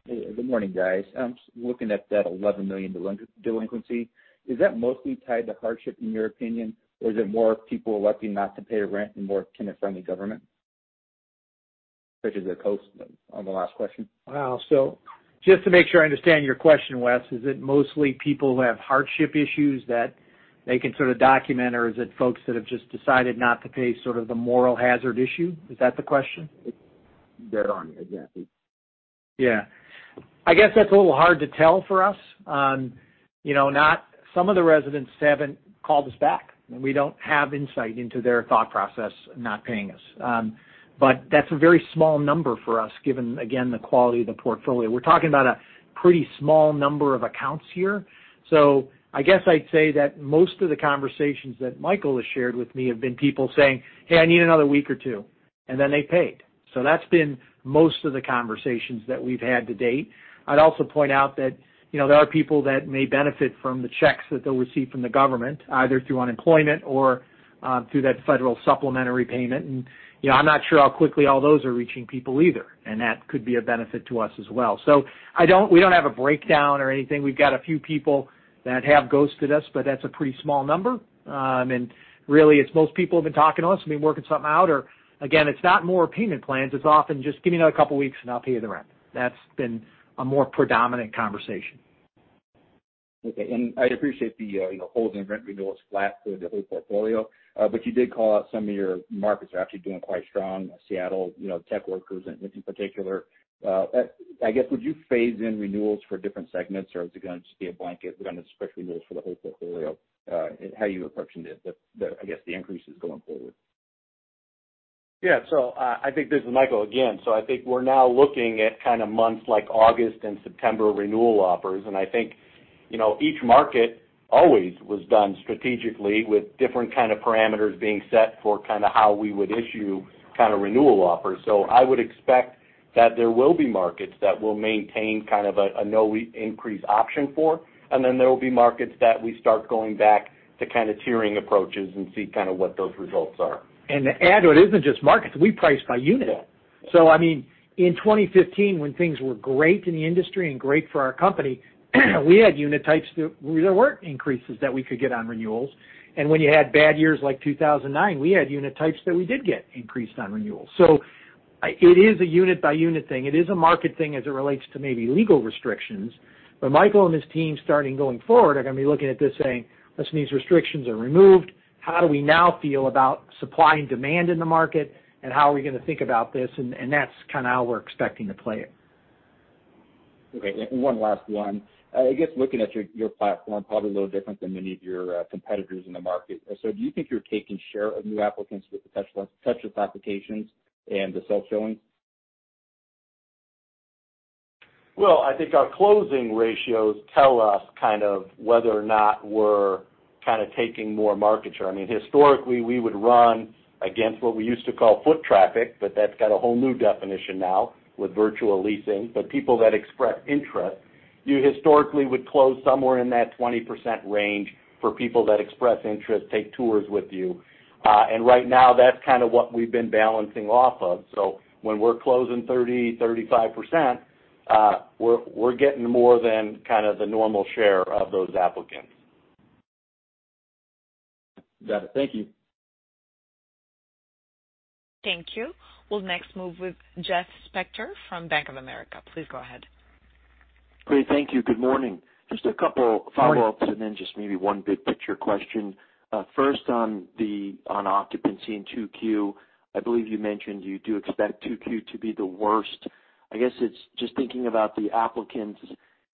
Good morning, guys. I'm looking at that $11 million delinquency. Is that mostly tied to hardship, in your opinion? Is it more people electing not to pay rent and more tenant-friendly government, such as the coast on the last question? Wow. Just to make sure I understand your question, Wes, is it mostly people who have hardship issues that they can sort of document, or is it folks that have just decided not to pay sort of the moral hazard issue? Is that the question? Dead on. Exactly. I guess that's a little hard to tell for us. Some of the residents haven't called us back, and we don't have insight into their thought process not paying us. That's a very small number for us, given, again, the quality of the portfolio. We're talking about a pretty small number of accounts here. I guess I'd say that most of the conversations that Michael has shared with me have been people saying, "Hey, I need another week or two," and then they paid. That's been most of the conversations that we've had to date. I'd also point out that there are people that may benefit from the checks that they'll receive from the government, either through unemployment or through that federal supplementary payment, and I'm not sure how quickly all those are reaching people either, and that could be a benefit to us as well. We don't have a breakdown or anything. We've got a few people that have ghosted us, but that's a pretty small number. Really, it's most people have been talking to us, been working something out or again, it's not more payment plans. It's often just give me another couple of weeks and I'll pay you the rent. That's been a more predominant conversation. Okay. I appreciate the holding rent renewals flat for the whole portfolio. You did call out some of your markets are actually doing quite strong. Seattle tech workers in particular. I guess, would you phase in renewals for different segments, or is it going to just be a blanket rent expense renewals for the whole portfolio? How are you approaching the increases going forward? Yeah. I think this is Michael again. I think we're now looking at kind of months like August and September renewal offers, and I think Each market always was done strategically with different kind of parameters being set for how we would issue renewal offers. I would expect that there will be markets that will maintain kind of a no increase option for, and then there will be markets that we start going back to tiering approaches and see what those results are. To add to it, isn't just markets, we price by unit. Yeah. I mean, in 2015 when things were great in the industry and great for our company, we had unit types that there weren't increases that we could get on renewals. When you had bad years like 2009, we had unit types that we did get increased on renewals. It is a unit by unit thing. It is a market thing as it relates to maybe legal restrictions. Michael and his team starting going forward, are going to be looking at this saying, "Listen, these restrictions are removed. How do we now feel about supply and demand in the market? How are we going to think about this?" That's kind of how we're expecting to play it. Okay. One last one. I guess looking at your platform, probably a little different than many of your competitors in the market. Do you think you're taking share of new applicants with the touchless applications and the self-showing? I think our closing ratios tell us kind of whether or not we're taking more market share. I mean, historically, we would run against what we used to call foot traffic, but that's got a whole new definition now with virtual leasing. People that express interest, you historically would close somewhere in that 20% range for people that express interest, take tours with you. Right now, that's kind of what we've been balancing off of. When we're closing 30%, 35%, we're getting more than kind of the normal share of those applicants. Got it. Thank you. Thank you. We'll next move with Jeff Spector from Bank of America. Please go ahead. Great. Thank you. Good morning. Just a couple follow-ups. Morning. Just maybe one big picture question. First on occupancy in 2Q, I believe you mentioned you do expect 2Q to be the worst. I guess it's just thinking about the applicants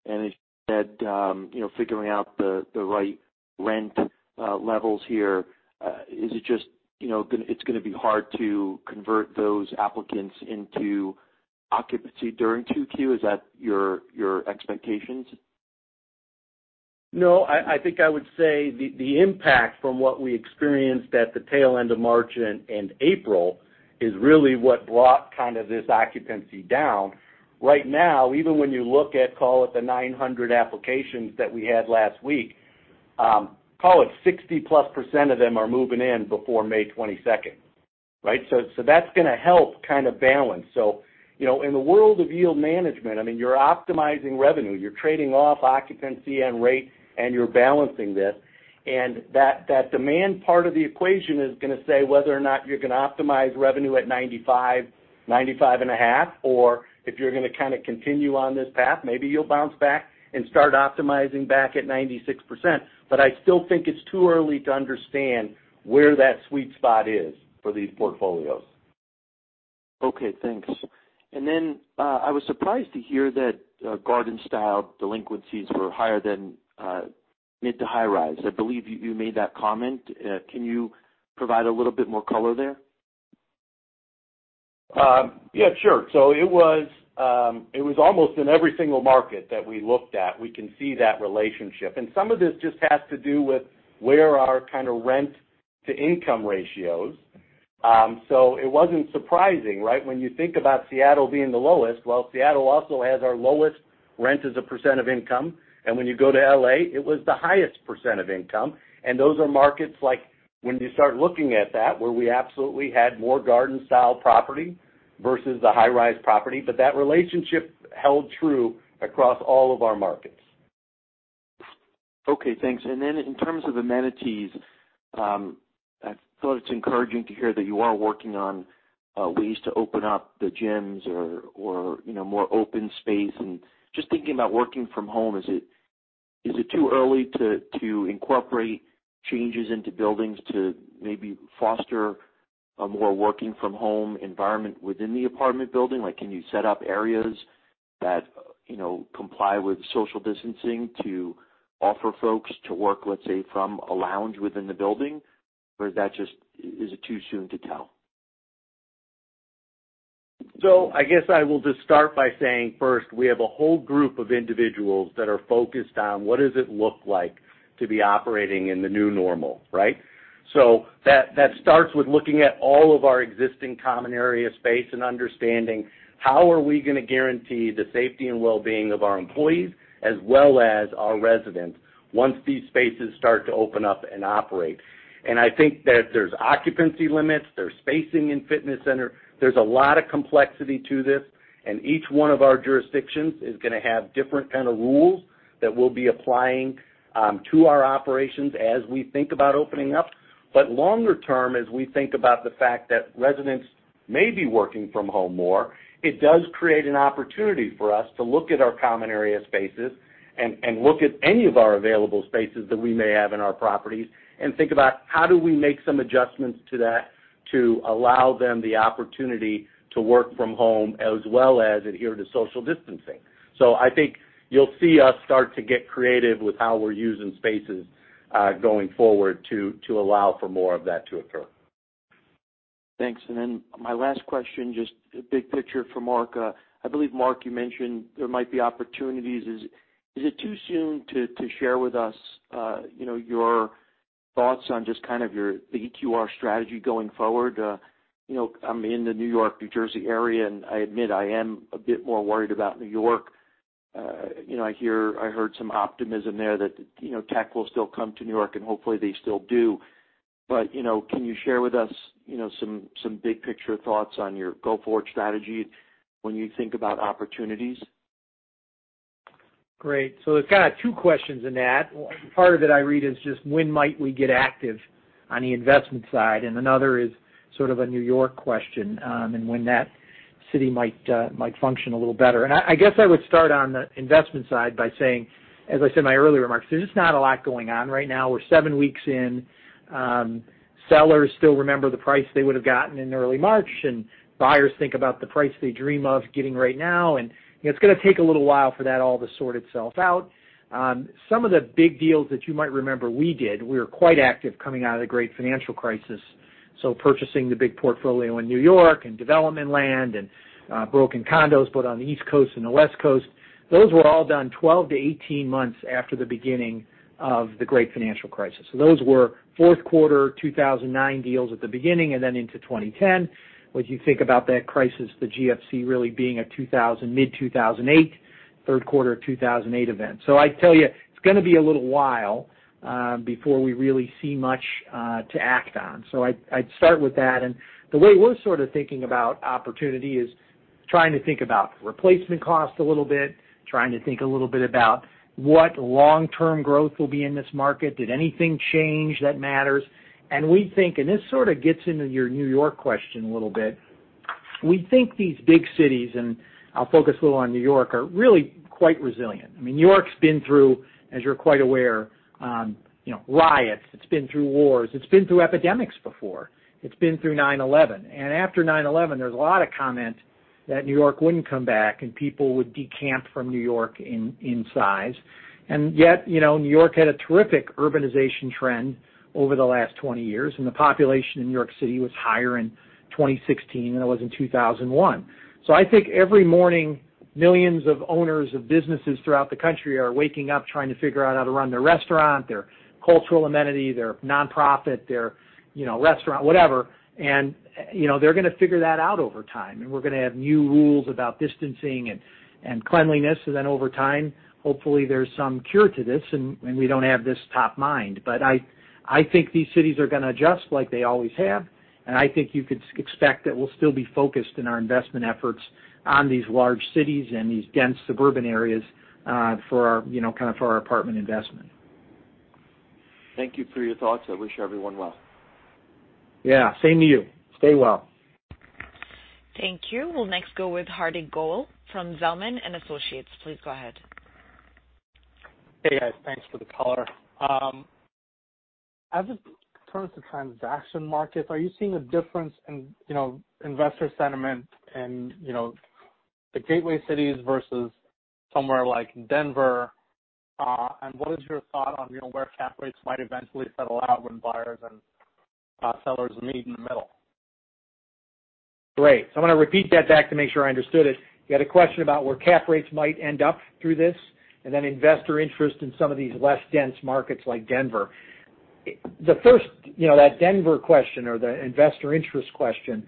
and as you said, figuring out the right rent levels here. Is it just, it's going to be hard to convert those applicants into occupancy during 2Q? Is that your expectations? I think I would say the impact from what we experienced at the tail end of March and April is really what brought kind of this occupancy down. Right now, even when you look at, call it the 900 applications that we had last week, call it 60-plus percentage of them are moving in before May 22nd, right? That's going to help kind of balance. In the world of yield management, I mean, you're optimizing revenue, you're trading off occupancy and rate, and you're balancing this. That demand part of the equation is going to say whether or not you're going to optimize revenue at 95.5, or if you're going to kind of continue on this path. Maybe you'll bounce back and start optimizing back at 96%. I still think it's too early to understand where that sweet spot is for these portfolios. Okay, thanks. I was surprised to hear that garden-style delinquencies were higher than mid- to high-rise. I believe you made that comment. Can you provide a little bit more color there? Yeah, sure. It was almost in every single market that we looked at, we can see that relationship. Some of this just has to do with where are our kind of rent-to-income ratios. It wasn't surprising, right? When you think about Seattle being the lowest, well, Seattle also has our lowest rent as a percent of income. When you go to L.A., it was the highest percent of income. Those are markets like when you start looking at that, where we absolutely had more garden-style property versus the high-rise property. That relationship held true across all of our markets. Okay, thanks. In terms of amenities, I thought it's encouraging to hear that you are working on ways to open up the gyms or more open space and just thinking about working from home, is it too early to incorporate changes into buildings to maybe foster a more working from home environment within the apartment building? Can you set up areas that comply with social distancing to offer folks to work, let's say, from a lounge within the building? Is it too soon to tell? I guess I will just start by saying, first, we have a whole group of individuals that are focused on what does it look like to be operating in the new normal, right? That starts with looking at all of our existing common area space and understanding how are we going to guarantee the safety and well-being of our employees as well as our residents once these spaces start to open up and operate. I think that there's occupancy limits, there's spacing in fitness center. There's a lot of complexity to this, and each one of our jurisdictions is going to have different kind of rules that we'll be applying to our operations as we think about opening up. Longer term, as we think about the fact that residents may be working from home more, it does create an opportunity for us to look at our common area spaces and look at any of our available spaces that we may have in our properties and think about how do we make some adjustments to that to allow them the opportunity to work from home as well as adhere to social distancing. I think you'll see us start to get creative with how we're using spaces, going forward to allow for more of that to occur. Thanks. Then my last question, just big picture for Mark. I believe, Mark, you mentioned there might be opportunities. Is it too soon to share with us your thoughts on just kind of the EQR strategy going forward? I'm in the New York, New Jersey area, and I admit, I am a bit more worried about New York. I heard some optimism there that tech will still come to New York. and hopefully they still do. Can you share with us some big-picture thoughts on your go-forward strategy when you think about opportunities? Great. It's kind of two questions in that. Part of it I read is just when might we get active on the investment side, and another is sort of a New York question, and when that city might function a little better. I guess I would start on the investment side by saying, as I said in my earlier remarks, there's just not a lot going on right now. We're seven weeks in. Sellers still remember the price they would've gotten in early March, and buyers think about the price they dream of getting right now, and it's going to take a little while for that all to sort itself out. Some of the big deals that you might remember we did, we were quite active coming out of the great financial crisis. Purchasing the big portfolio in New York, and development land, and broken condos, both on the East Coast and the West Coast, those were all done 12 to 18 months after the beginning of the great financial crisis. Those were fourth quarter 2009 deals at the beginning and then into 2010. As you think about that crisis, the GFC really being a mid-2008, third quarter 2008 event. I tell you, it's going to be a little while before we really see much to act on. I'd start with that. The way we're sort of thinking about opportunity is trying to think about replacement cost a little bit, trying to think a little bit about what long-term growth will be in this market. Did anything change that matters? We think, and this sort of gets into your New York question a little bit. We think these big cities, and I'll focus a little on New York, are really quite resilient. I mean, New York's been through, as you're quite aware, riots. It's been through wars. It's been through epidemics before. It's been through 9/11. After 9/11, there was a lot of comment that New York wouldn't come back, and people would decamp from New York in size. Yet, New York had a terrific urbanization trend over the last 20 years, and the population in New York City was higher in 2016 than it was in 2001. I think every morning, millions of owners of businesses throughout the country are waking up trying to figure out how to run their restaurant, their cultural amenity, their nonprofit, their restaurant, whatever, and they're going to figure that out over time, and we're going to have new rules about distancing and cleanliness. Over time, hopefully there's some cure to this, and we don't have this top mind. I think these cities are going to adjust like they always have, and I think you could expect that we'll still be focused in our investment efforts on these large cities and these dense suburban areas for our apartment investment. Thank you for your thoughts. I wish everyone well. Yeah, same to you. Stay well. Thank you. We'll next go with Hardik Goel from Zelman & Associates. Please go ahead. Hey, guys. Thanks for the color. As it turns to transaction markets, are you seeing a difference in investor sentiment in the gateway cities versus somewhere like Denver? What is your thought on where cap rates might eventually settle out when buyers and sellers meet in the middle? Great. I'm going to repeat that back to make sure I understood it. You had a question about where cap rates might end up through this, and then investor interest in some of these less dense markets like Denver. The first, that Denver question or the investor interest question,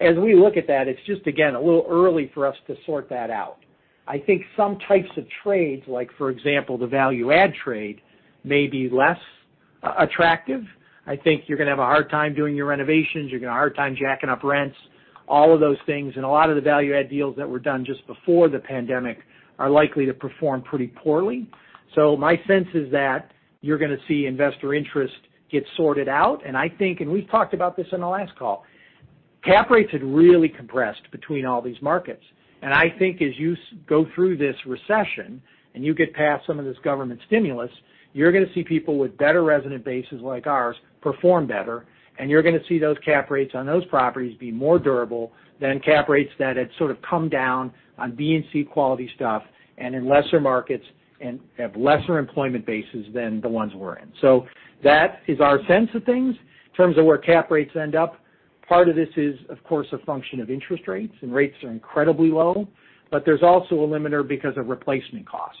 as we look at that, it's just, again, a little early for us to sort that out. I think some types of trades, like for example, the value add trade, may be less attractive. I think you're going to have a hard time doing your renovations. You're going to have a hard time jacking up rents, all of those things, and a lot of the value add deals that were done just before the pandemic are likely to perform pretty poorly. My sense is that you're going to see investor interest get sorted out, and I think, and we've talked about this on the last call, cap rates had really compressed between all these markets. I think as you go through this recession, and you get past some of this government stimulus, you're going to see people with better resident bases like ours perform better, and you're going to see those cap rates on those properties be more durable than cap rates that had sort of come down on B and C quality stuff, and in lesser markets and have lesser employment bases than the ones we're in. That is our sense of things. In terms of where cap rates end up, part of this is, of course, a function of interest rates, and rates are incredibly low, but there's also a limiter because of replacement costs.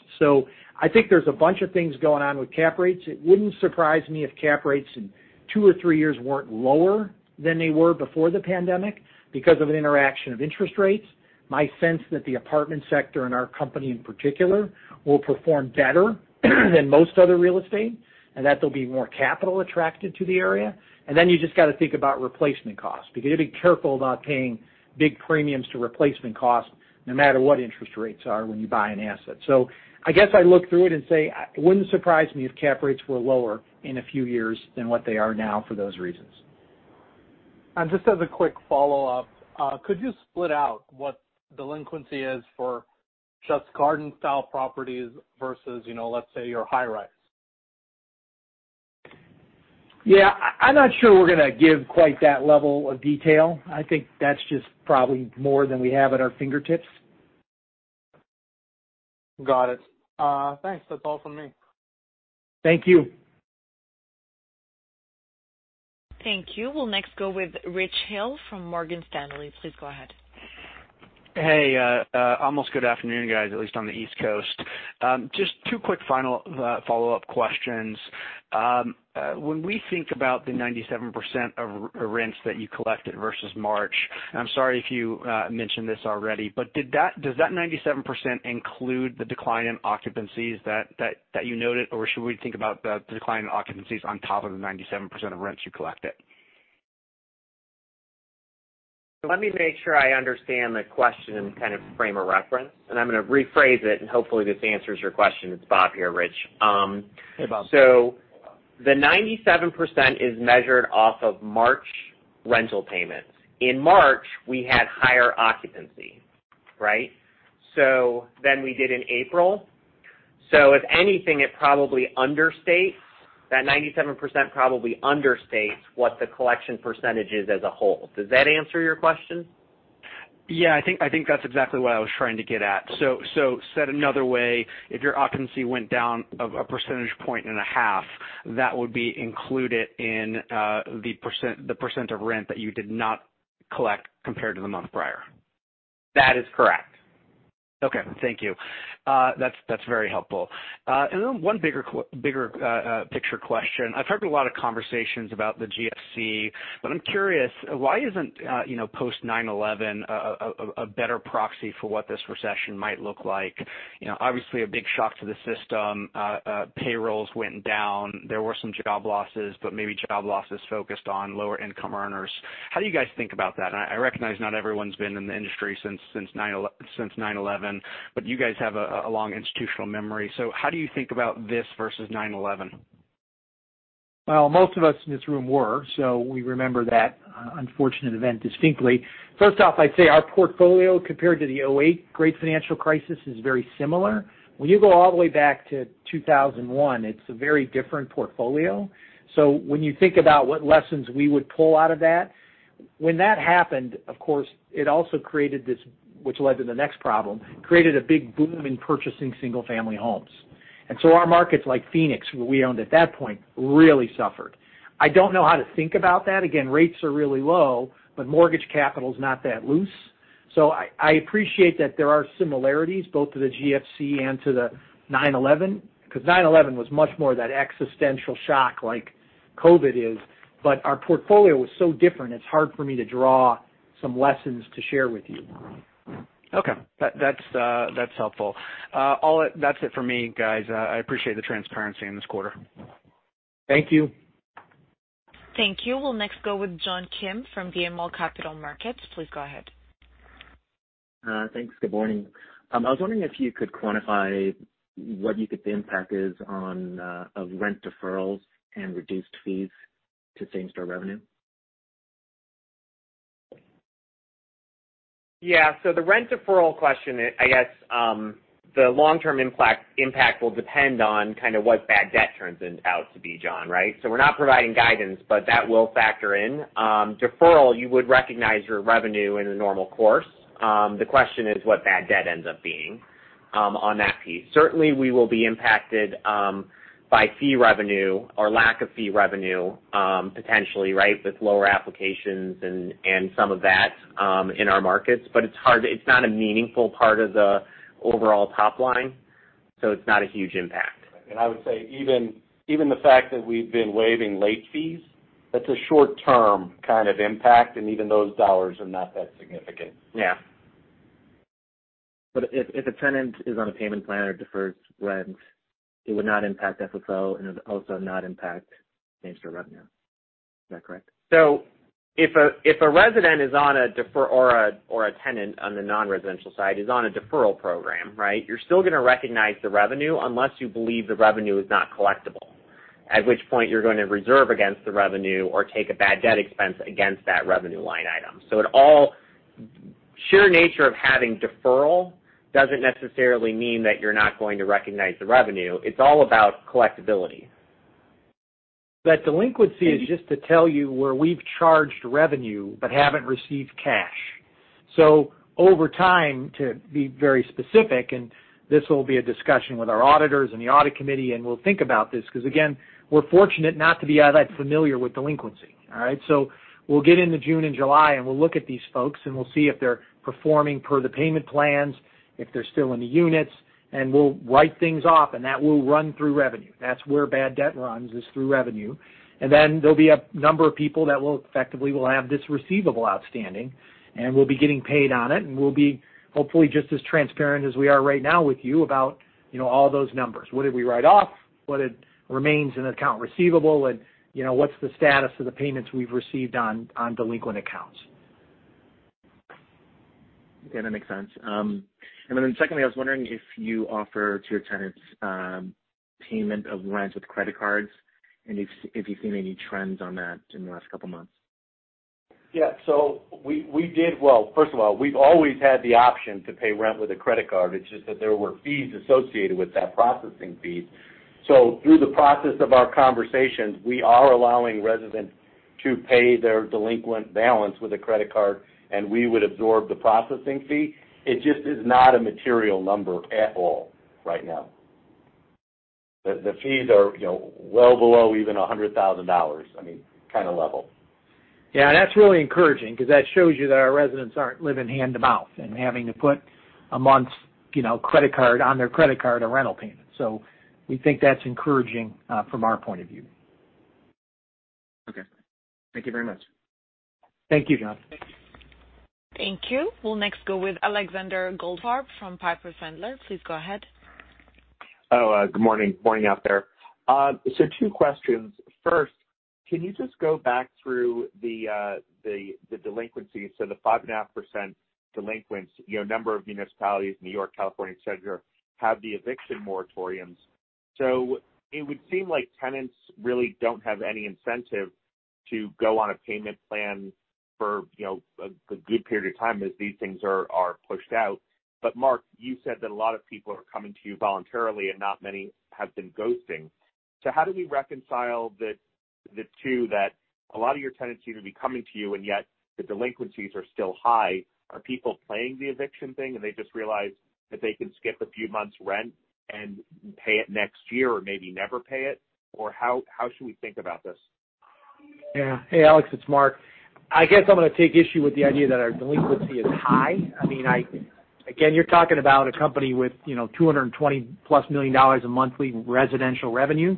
I think there's a bunch of things going on with cap rates. It wouldn't surprise me if cap rates in two or three years weren't lower than they were before the pandemic because of an interaction of interest rates. My sense that the apartment sector and our company in particular will perform better than most other real estate, and that there'll be more capital attracted to the area. Then you just got to think about replacement costs because you got to be careful about paying big premiums to replacement costs no matter what interest rates are when you buy an asset. I guess I look through it and say it wouldn't surprise me if cap rates were lower in a few years than what they are now for those reasons. Just as a quick follow-up, could you split out what delinquency is for just garden-style properties versus, let's say, your high rise? Yeah. I'm not sure we're going to give quite that level of detail. I think that's just probably more than we have at our fingertips. Got it. Thanks. That's all from me. Thank you. Thank you. We'll next go with Rich Hill from Morgan Stanley. Please go ahead. Hey. Almost good afternoon, guys, at least on the East Coast. Just two quick final follow-up questions. When we think about the 97% of rents that you collected versus March, I'm sorry if you mentioned this already, does that 97% include the decline in occupancies that you noted, or should we think about the decline in occupancies on top of the 97% of rents you collected? Let me make sure I understand the question and kind of frame of reference. I'm going to rephrase it. Hopefully this answers your question. It's Bob here, Rich. Hey, Bob. The 97% is measured off of March rental payments. In March, we had higher occupancy, right, than we did in April. If anything, that 97% probably understates what the collection percentage is as a whole. Does that answer your question? Yeah, I think that's exactly what I was trying to get at. Said another way, if your occupancy went down a percentage point and a half, that would be included in the percent of rent that you did not collect compared to the month prior. That is correct. Okay. Thank you. That's very helpful. Then one bigger picture question. I've heard a lot of conversations about the GFC, but I'm curious, why isn't post 9/11 a better proxy for what this recession might look like? Obviously, a big shock to the system. Payrolls went down. There were some job losses, but maybe job losses focused on lower income earners. How do you guys think about that? I recognize not everyone's been in the industry since 9/11, but you guys have a long institutional memory. How do you think about this versus 9/11? Well, most of us in this room were, so we remember that unfortunate event distinctly. First off, I'd say our portfolio, compared to the 2008 Great Financial Crisis, is very similar. When you go all the way back to 2001, it's a very different portfolio. When you think about what lessons we would pull out of that, when that happened, of course, it also created this, which led to the next problem, created a big boom in purchasing single-family homes. Our markets like Phoenix, we owned at that point, really suffered. I don't know how to think about that. Again, rates are really low, but mortgage capital is not that loose. I appreciate that there are similarities both to the GFC and to the 9/11, because 9/11 was much more that existential shock like COVID is. Our portfolio was so different, it's hard for me to draw some lessons to share with you. Okay. That's helpful. That's it for me, guys. I appreciate the transparency in this quarter. Thank you. Thank you. We'll next go with John Kim from BMO Capital Markets. Please go ahead. Thanks. Good morning. I was wondering if you could quantify what you think the impact is on rent deferrals and reduced fees to same-store revenue? Yeah. The rent deferral question, I guess, the long-term impact will depend on kind of what bad debt turns out to be, John, right? We're not providing guidance, but that will factor in. Deferral, you would recognize your revenue in a normal course. The question is what bad debt ends up being on that piece. Certainly, we will be impacted by fee revenue or lack of fee revenue potentially, right, with lower applications and some of that in our markets. It's not a meaningful part of the overall top line, so it's not a huge impact. I would say even the fact that we've been waiving late fees, that's a short-term kind of impact, and even those dollars are not that significant. Yeah. If a tenant is on a payment plan or defers rent, it would not impact FFO and it would also not impact same-store revenue. Is that correct? If a resident or a tenant on the non-residential side is on a deferral program, right, you're still going to recognize the revenue unless you believe the revenue is not collectible. At which point, you're going to reserve against the revenue or take a bad debt expense against that revenue line item. The sheer nature of having deferral doesn't necessarily mean that you're not going to recognize the revenue. It's all about collectibility. That delinquency is just to tell you where we've charged revenue but haven't received cash. Over time, to be very specific, and this will be a discussion with our auditors and the Audit Committee, and we'll think about this, because again, we're fortunate not to be that familiar with delinquency. All right? We'll get into June and July, and we'll look at these folks, and we'll see if they're performing per the payment plans, if they're still in the units, and we'll write things off, and that will run through revenue. That's where bad debt runs is through revenue. There'll be a number of people that effectively will have this receivable outstanding, and we'll be getting paid on it, and we'll be hopefully just as transparent as we are right now with you about all those numbers. What did we write off? What remains in account receivable, and what's the status of the payments we've received on delinquent accounts? Okay. That makes sense. Secondly, I was wondering if you offer to your tenants payment of rent with credit cards, and if you've seen any trends on that in the last couple of months. Yeah. Well, first of all, we've always had the option to pay rent with a credit card. It's just that there were fees associated with that processing fee. Through the process of our conversations, we are allowing residents To pay their delinquent balance with a credit card, and we would absorb the processing fee. It just is not a material number at all right now. The fees are well below even $100,000, I mean, kind of level. That's really encouraging because that shows you that our residents aren't living hand-to-mouth and having to put a month's credit card on their credit card, a rental payment. We think that's encouraging from our point of view. Okay. Thank you very much. Thank you, John. Thank you. We'll next go with Alexander Goldfarb from Piper Sandler. Please go ahead. Oh, good morning. Morning out there. Two questions. First, can you just go back through the delinquencies? The 5.5% delinquents, number of municipalities, New York, California, et cetera, have the eviction moratoriums. It would seem like tenants really don't have any incentive to go on a payment plan for a good period of time as these things are pushed out. Mark, you said that a lot of people are coming to you voluntarily, and not many have been ghosting. How do we reconcile the two that a lot of your tenants seem to be coming to you, and yet the delinquencies are still high? Are people playing the eviction thing, and they just realize that they can skip a few months rent and pay it next year or maybe never pay it? How should we think about this? Hey, Alex, it's Mark. I guess I'm going to take issue with the idea that our delinquency is high. You're talking about a company with $220 million plus a monthly residential revenue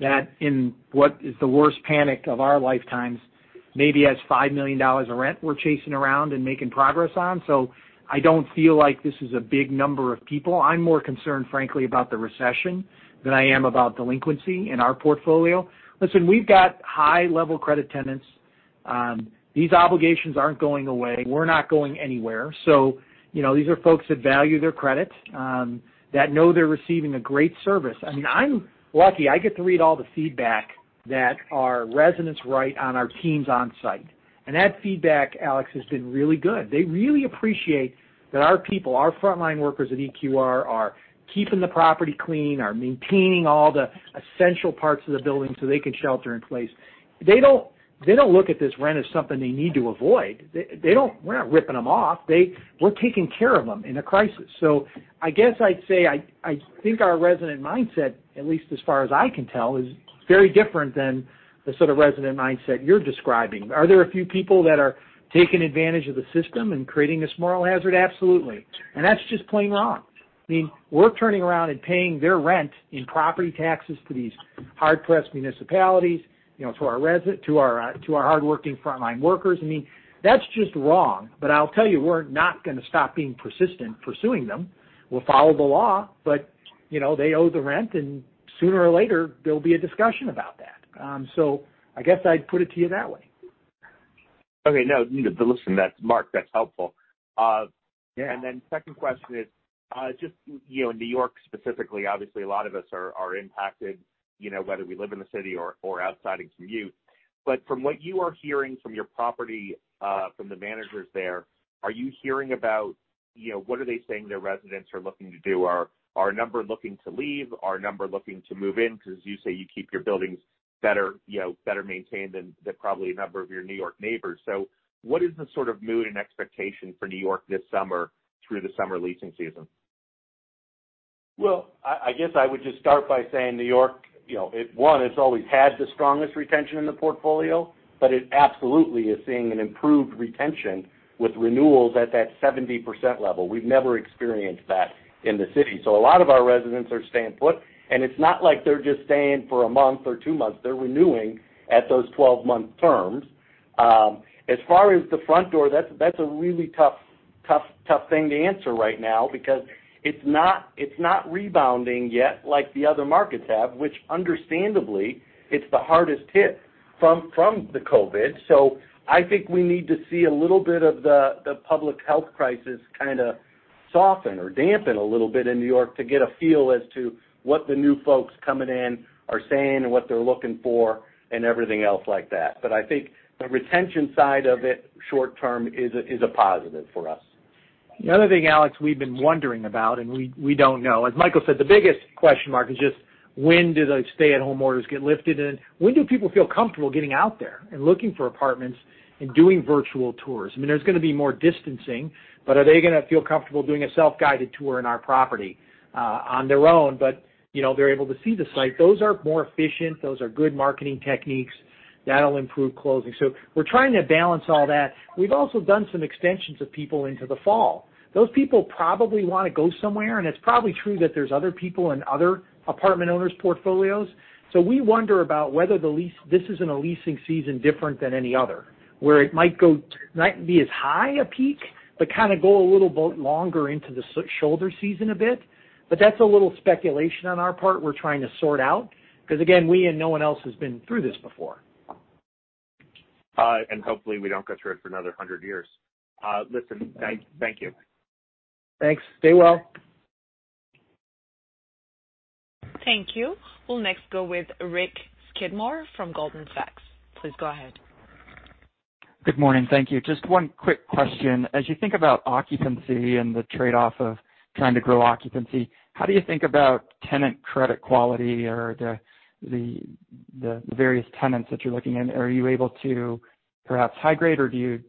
that in what is the worst panic of our lifetimes, maybe has $5 million of rent we're chasing around and making progress on. I don't feel like this is a big number of people. I'm more concerned, frankly, about the recession than I am about delinquency in our portfolio. Listen, we've got high-level credit tenants. These obligations aren't going away. We're not going anywhere. These are folks that value their credit, that know they're receiving a great service. I'm lucky I get to read all the feedback that our residents write on our teams on-site. That feedback, Alex, has been really good. They really appreciate that our people, our frontline workers at EQR are keeping the property clean, are maintaining all the essential parts of the building so they can shelter in place. They don't look at this rent as something they need to avoid. We're not ripping them off. We're taking care of them in a crisis. I guess I'd say, I think our resident mindset, at least as far as I can tell, is very different than the sort of resident mindset you're describing. Are there a few people that are taking advantage of the system and creating this moral hazard? Absolutely. That's just plain wrong. We're turning around and paying their rent in property taxes to these hard-pressed municipalities, to our hardworking frontline workers. That's just wrong. I'll tell you, we're not going to stop being persistent pursuing them. We'll follow the law, but they owe the rent, and sooner or later, there'll be a discussion about that. I guess I'd put it to you that way. Okay. No, listen, Mark, that's helpful. Yeah. Second question is, just, in New York specifically, obviously a lot of us are impacted, whether we live in the city or outside in commute. From what you are hearing from your property, from the managers there, are you hearing about what are they saying their residents are looking to do? Are a number looking to leave? Are a number looking to move in? Because as you say, you keep your buildings better maintained than probably a number of your New York neighbors. What is the sort of mood and expectation for New York this summer through the summer leasing season? I guess I would just start by saying New York, one, it's always had the strongest retention in the portfolio, but it absolutely is seeing an improved retention with renewals at that 70% level. We've never experienced that in the city. A lot of our residents are staying put, and it's not like they're just staying for a month or two months. They're renewing at those 12-month terms. As far as the front door, that's a really tough thing to answer right now because it's not rebounding yet like the other markets have, which understandably, it's the hardest hit from the COVID-19. I think we need to see a little bit of the public health crisis kind of soften or dampen a little bit in New York to get a feel as to what the new folks coming in are saying and what they're looking for and everything else like that. I think the retention side of it short-term is a positive for us. The other thing, Alex, we've been wondering about, and we don't know. As Michael said, the biggest question mark is just when do the stay-at-home orders get lifted, and when do people feel comfortable getting out there and looking for apartments and doing virtual tours? There's going to be more distancing, but are they going to feel comfortable doing a self-guided tour in our property on their own, but they're able to see the site. Those are more efficient. Those are good marketing techniques. That'll improve closing. We're trying to balance all that. We've also done some extensions of people into the fall. Those people probably want to go somewhere, and it's probably true that there's other people in other apartment owners' portfolios. We wonder about whether this isn't a leasing season different than any other, where it might not be as high a peak, but kind of go a little bit longer into the shoulder season a bit. That's a little speculation on our part we're trying to sort out because, again, we and no one else has been through this before. Hopefully we don't go through it for another 100 years. Listen, thank you. Thanks. Stay well. Thank you. We'll next go with Rick Skidmore from Goldman Sachs. Please go ahead. Good morning. Thank you. Just one quick question. As you think about occupancy and the trade-off of trying to grow occupancy, how do you think about tenant credit quality or the various tenants that you're looking at? Are you able to perhaps high grade, or do you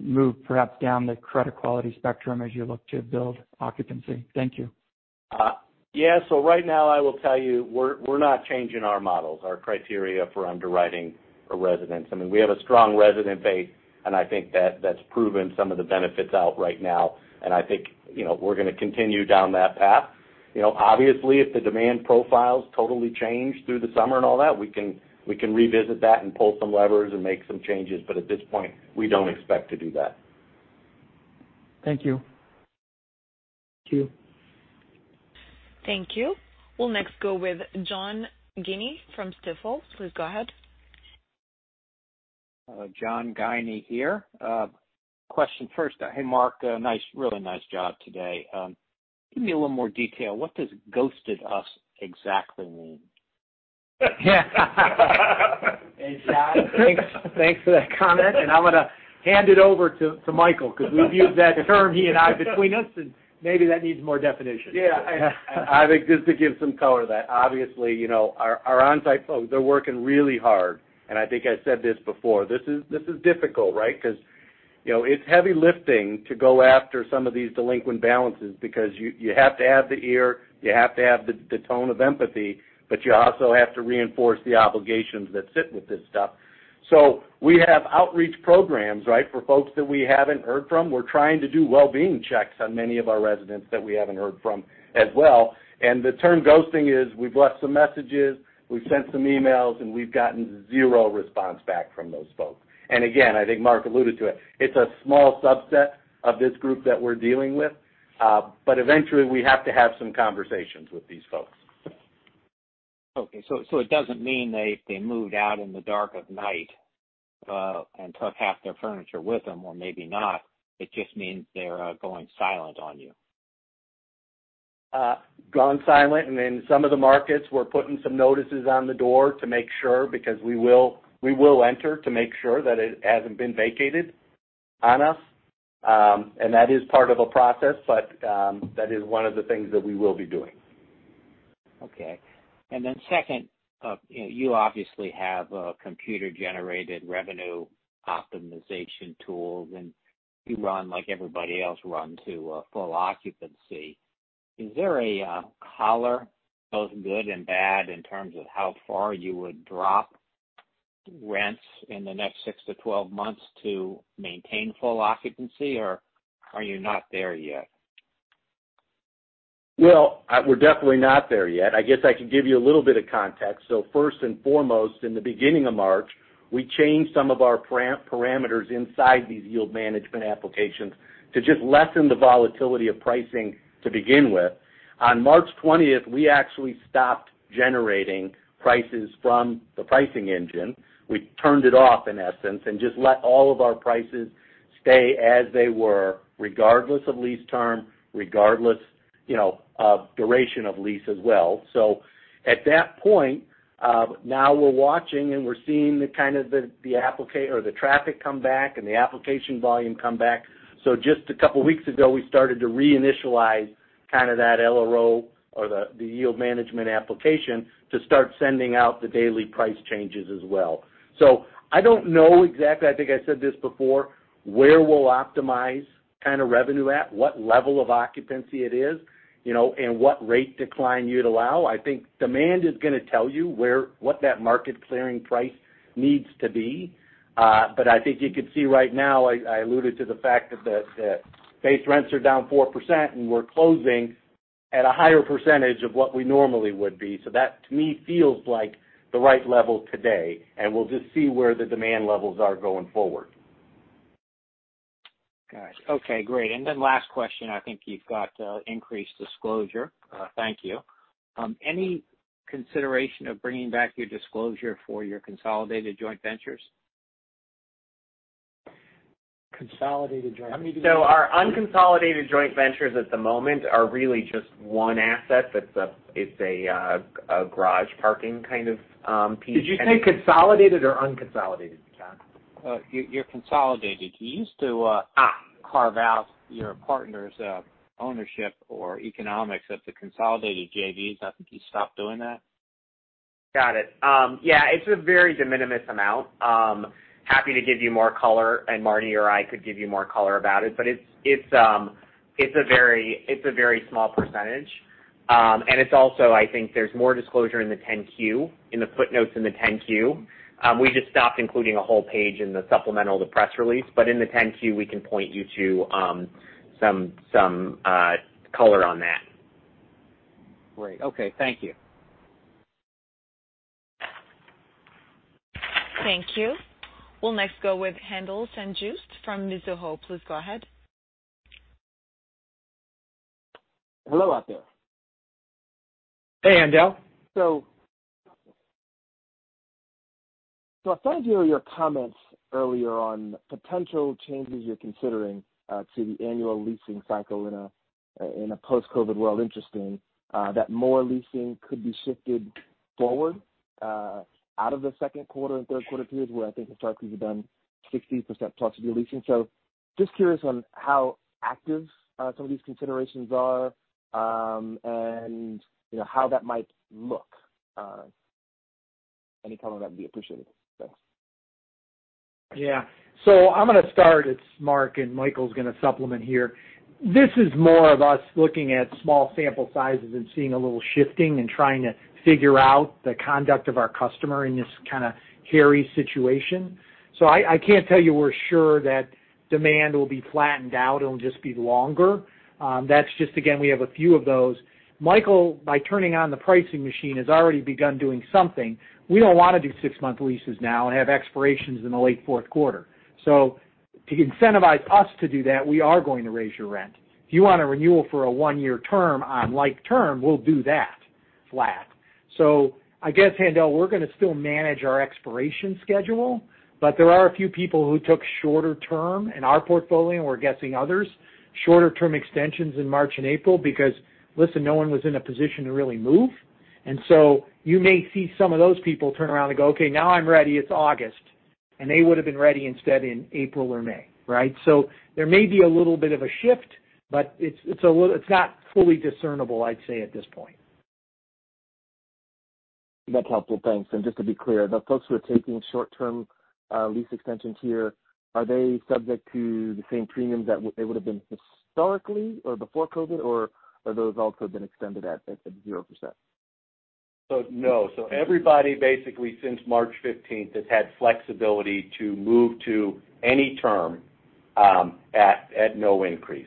move perhaps down the credit quality spectrum as you look to build occupancy? Thank you. Yeah. Right now I will tell you, we're not changing our models, our criteria for underwriting a residence. We have a strong resident base, and I think that's proven some of the benefits out right now, and I think we're going to continue down that path. Obviously, if the demand profiles totally change through the summer and all that, we can revisit that and pull some levers and make some changes. At this point, we don't expect to do that. Thank you. Thank you. Thank you. We'll next go with John Guinee from Stifel. Please go ahead. John Guinee here. Question first. Hey, Mark, really nice job today. Give me a little more detail. What does ghosted us exactly mean? Hey, John. Thanks for that comment. I'm going to hand it over to Michael, because we've used that term, he and I, between us, and maybe that needs more definition. Yeah. Just to give some color to that. Obviously, our on-site folks, they're working really hard, I think I said this before. This is difficult, right? Because it's heavy lifting to go after some of these delinquent balances because you have to have the ear, you have to have the tone of empathy, but you also have to reinforce the obligations that sit with this stuff. We have outreach programs, right? For folks that we haven't heard from. We're trying to do well-being checks on many of our residents that we haven't heard from as well. The term ghosting is, we've left some messages, we've sent some emails, and we've gotten zero response back from those folks. Again, I think Mark alluded to it's a small subset of this group that we're dealing with. Eventually we have to have some conversations with these folks. Okay. It doesn't mean they moved out in the dark of night, and took half their furniture with them, or maybe not. It just means they're going silent on you. Gone silent. In some of the markets, we're putting some notices on the door to make sure, because we will enter to make sure that it hasn't been vacated on us. That is part of a process, but that is one of the things that we will be doing. Okay. Second, you obviously have computer-generated revenue optimization tools. You run like everybody else run to a full occupancy. Is there a collar, both good and bad, in terms of how far you would drop rents in the next six to 12 months to maintain full occupancy, or are you not there yet? Well, we're definitely not there yet. I guess I could give you a little bit of context. First and foremost, in the beginning of March, we changed some of our parameters inside these yield management applications to just lessen the volatility of pricing to begin with. On March 20th, we actually stopped generating prices from the pricing engine. We turned it off, in essence, and just let all of our prices stay as they were, regardless of lease term, regardless of duration of lease as well. At that point, now we're watching and we're seeing the traffic come back and the application volume come back. Just a couple of weeks ago, we started to reinitialize kind of that LRO or the yield management application to start sending out the daily price changes as well. I don't know exactly, I think I said this before, where we'll optimize kind of revenue at, what level of occupancy it is, and what rate decline you'd allow. I think demand is going to tell you what that market clearing price needs to be. I think you could see right now, I alluded to the fact that base rents are down 4%, and we're closing at a higher percentage of what we normally would be. That, to me, feels like the right level today, and we'll just see where the demand levels are going forward. Got it. Okay, great. Last question, I think you've got increased disclosure. Thank you. Any consideration of bringing back your disclosure for your consolidated joint ventures? Consolidated joint ventures. Our unconsolidated joint ventures at the moment are really just one asset. It's a garage parking kind of piece. Did you say consolidated or unconsolidated, John? Your consolidated. You used to. Carve out your partner's ownership or economics of the consolidated JVs. I think you stopped doing that. Got it. Yeah, it's a very de minimis amount. Happy to give you more color, and Marty or I could give you more color about it, but it's a very small percentage. It's also, I think there's more disclosure in the 10-Q, in the footnotes in the 10-Q. We just stopped including a whole page in the supplemental to the press release. In the 10-Q, we can point you to some color on that. Great. Okay. Thank you. Thank you. We'll next go with Haendel St. Juste from Mizuho. Please go ahead. Hello out there. Hey, Haendel. I followed your comments earlier on potential changes you're considering to the annual leasing cycle in a post-COVID world interesting, that more leasing could be shifted forward out of the second quarter and third quarter periods, where I think historically you've done 60% flexibility leasing. Just curious on how active some of these considerations are, and how that might look. Any color on that would be appreciated. Thanks. I'm going to start. It's Mark, and Michael's going to supplement here. This is more of us looking at small sample sizes and seeing a little shifting and trying to figure out the conduct of our customer in this kind of hairy situation. I can't tell you we're sure that demand will be flattened out, it'll just be longer. That's just, again, we have a few of those. Michael, by turning on the pricing machine, has already begun doing something. We don't want to do six-month leases now and have expirations in the late fourth quarter. To incentivize us to do that, we are going to raise your rent. If you want a renewal for a one-year term on like term, we'll do that flat. I guess, Haendel, we're going to still manage our expiration schedule, but there are a few people who took shorter-term in our portfolio, and we're guessing others, shorter-term extensions in March and April, because listen, no one was in a position to really move. You may see some of those people turn around and go, "Okay, now I'm ready. It's August." They would've been ready instead in April or May, right? There may be a little bit of a shift, but it's not fully discernible, I'd say at this point. That's helpful. Thanks. Just to be clear, the folks who are taking short-term lease extensions here, are they subject to the same premiums that they would've been historically or before COVID-19, or have those also been extended at the 0%? No. Everybody basically since March 15th has had flexibility to move to any term at no increase.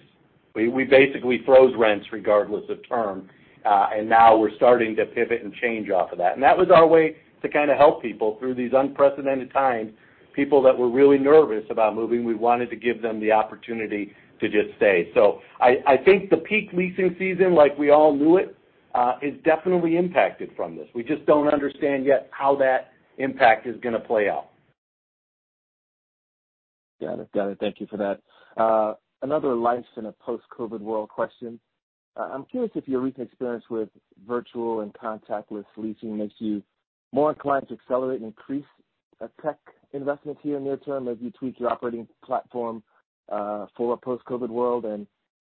We basically froze rents regardless of term. Now we're starting to pivot and change off of that. That was our way to kind of help people through these unprecedented times, people that were really nervous about moving, we wanted to give them the opportunity to just stay. I think the peak leasing season, like we all knew it, is definitely impacted from this. We just don't understand yet how that impact is going to play out. Got it. Thank you for that. Another life in a post-COVID-19 world question. I'm curious if your recent experience with virtual and contactless leasing makes you more inclined to accelerate and increase tech investments here near term as you tweak your operating platform for a post-COVID-19 world.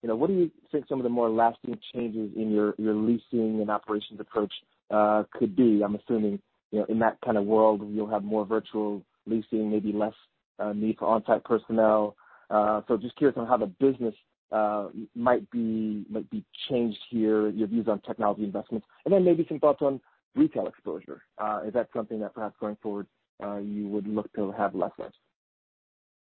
What do you think some of the more lasting changes in your leasing and operations approach could be? I'm assuming, in that kind of world, you'll have more virtual leasing, maybe less need for on-site personnel. Just curious on how the business might be changed here, your views on technology investments, and then maybe some thoughts on retail exposure. Is that something that perhaps going forward, you would look to have less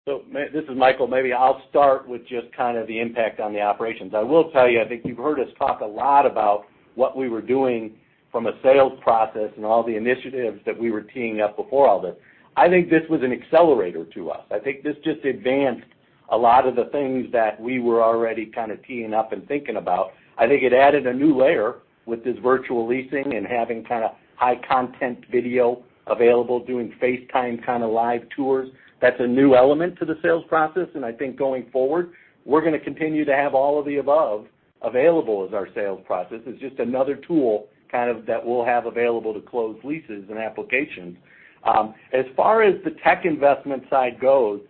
of? This is Michael. Maybe I'll start with just kind of the impact on the operations. I will tell you, I think you've heard us talk a lot about what we were doing from a sales process and all the initiatives that we were teeing up before all this. I think this was an accelerator to us. I think this just advanced a lot of the things that we were already kind of teeing up and thinking about. I think it added a new layer with this virtual leasing and having kind of high content video available, doing FaceTime kind of live tours. That's a new element to the sales process, and I think going forward, we're going to continue to have all of the above available as our sales process. It's just another tool kind of that we'll have available to close leases and applications. As far as the tech investment side goes,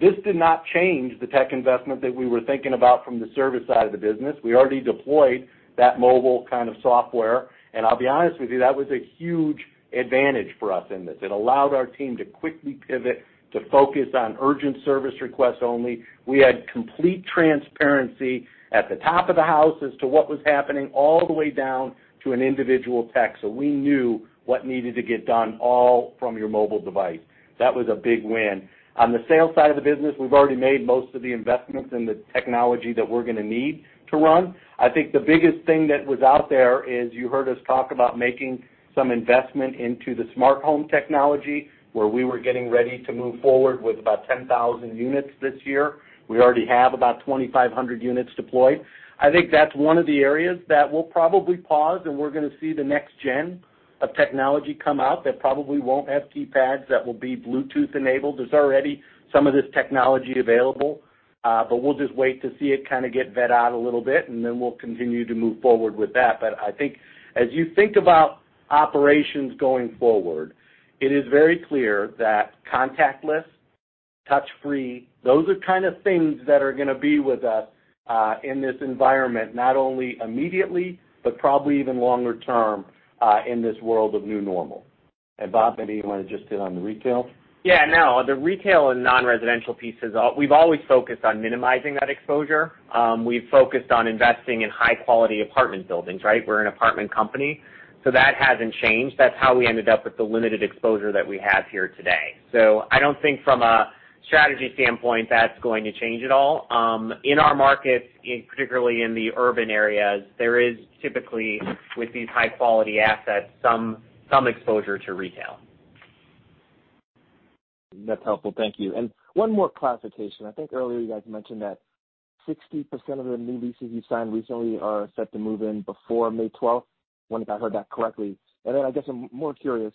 this did not change the tech investment that we were thinking about from the service side of the business. We already deployed that mobile kind of software. I'll be honest with you, that was a huge advantage for us in this. It allowed our team to quickly pivot to focus on urgent service requests only. We had complete transparency at the top of the house as to what was happening all the way down to an individual tech. We knew what needed to get done all from your mobile device. That was a big win. On the sales side of the business, we've already made most of the investments in the technology that we're going to need to run. I think the biggest thing that was out there is you heard us talk about making some investment into the smart home technology, where we were getting ready to move forward with about 10,000 units this year. We already have about 2,500 units deployed. I think that's one of the areas that we'll probably pause, and we're going to see the next gen of technology come out that probably won't have keypads, that will be Bluetooth enabled. There's already some of this technology available. We'll just wait to see it kind of get vet out a little bit, and then we'll continue to move forward with that. I think as you think about operations going forward, it is very clear that contactless, touch-free, those are kind of things that are going to be with us, in this environment, not only immediately, but probably even longer term, in this world of new normal. Bob, maybe you want to just hit on the retail? Yeah, no. The retail and non-residential pieces, we've always focused on minimizing that exposure. We've focused on investing in high-quality apartment buildings, right? We're an apartment company, so that hasn't changed. That's how we ended up with the limited exposure that we have here today. I don't think from a strategy standpoint, that's going to change at all. In our markets, particularly in the urban areas, there is typically with these high-quality assets, some exposure to retail. That's helpful. Thank you. One more clarification. I think earlier you guys mentioned that 60% of the new leases you signed recently are set to move in before May 12th. Wondering if I heard that correctly. I guess I'm more curious,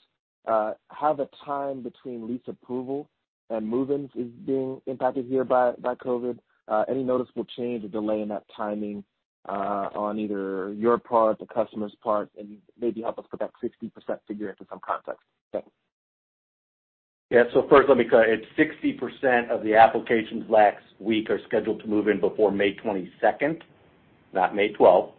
how the time between lease approval and move-ins is being impacted here by COVID. Any noticeable change or delay in that timing on either your part, the customer's part? Maybe help us put that 60% figure into some context. Thanks. Yeah. It's 60% of the applications last week are scheduled to move in before May 22nd, not May 12th.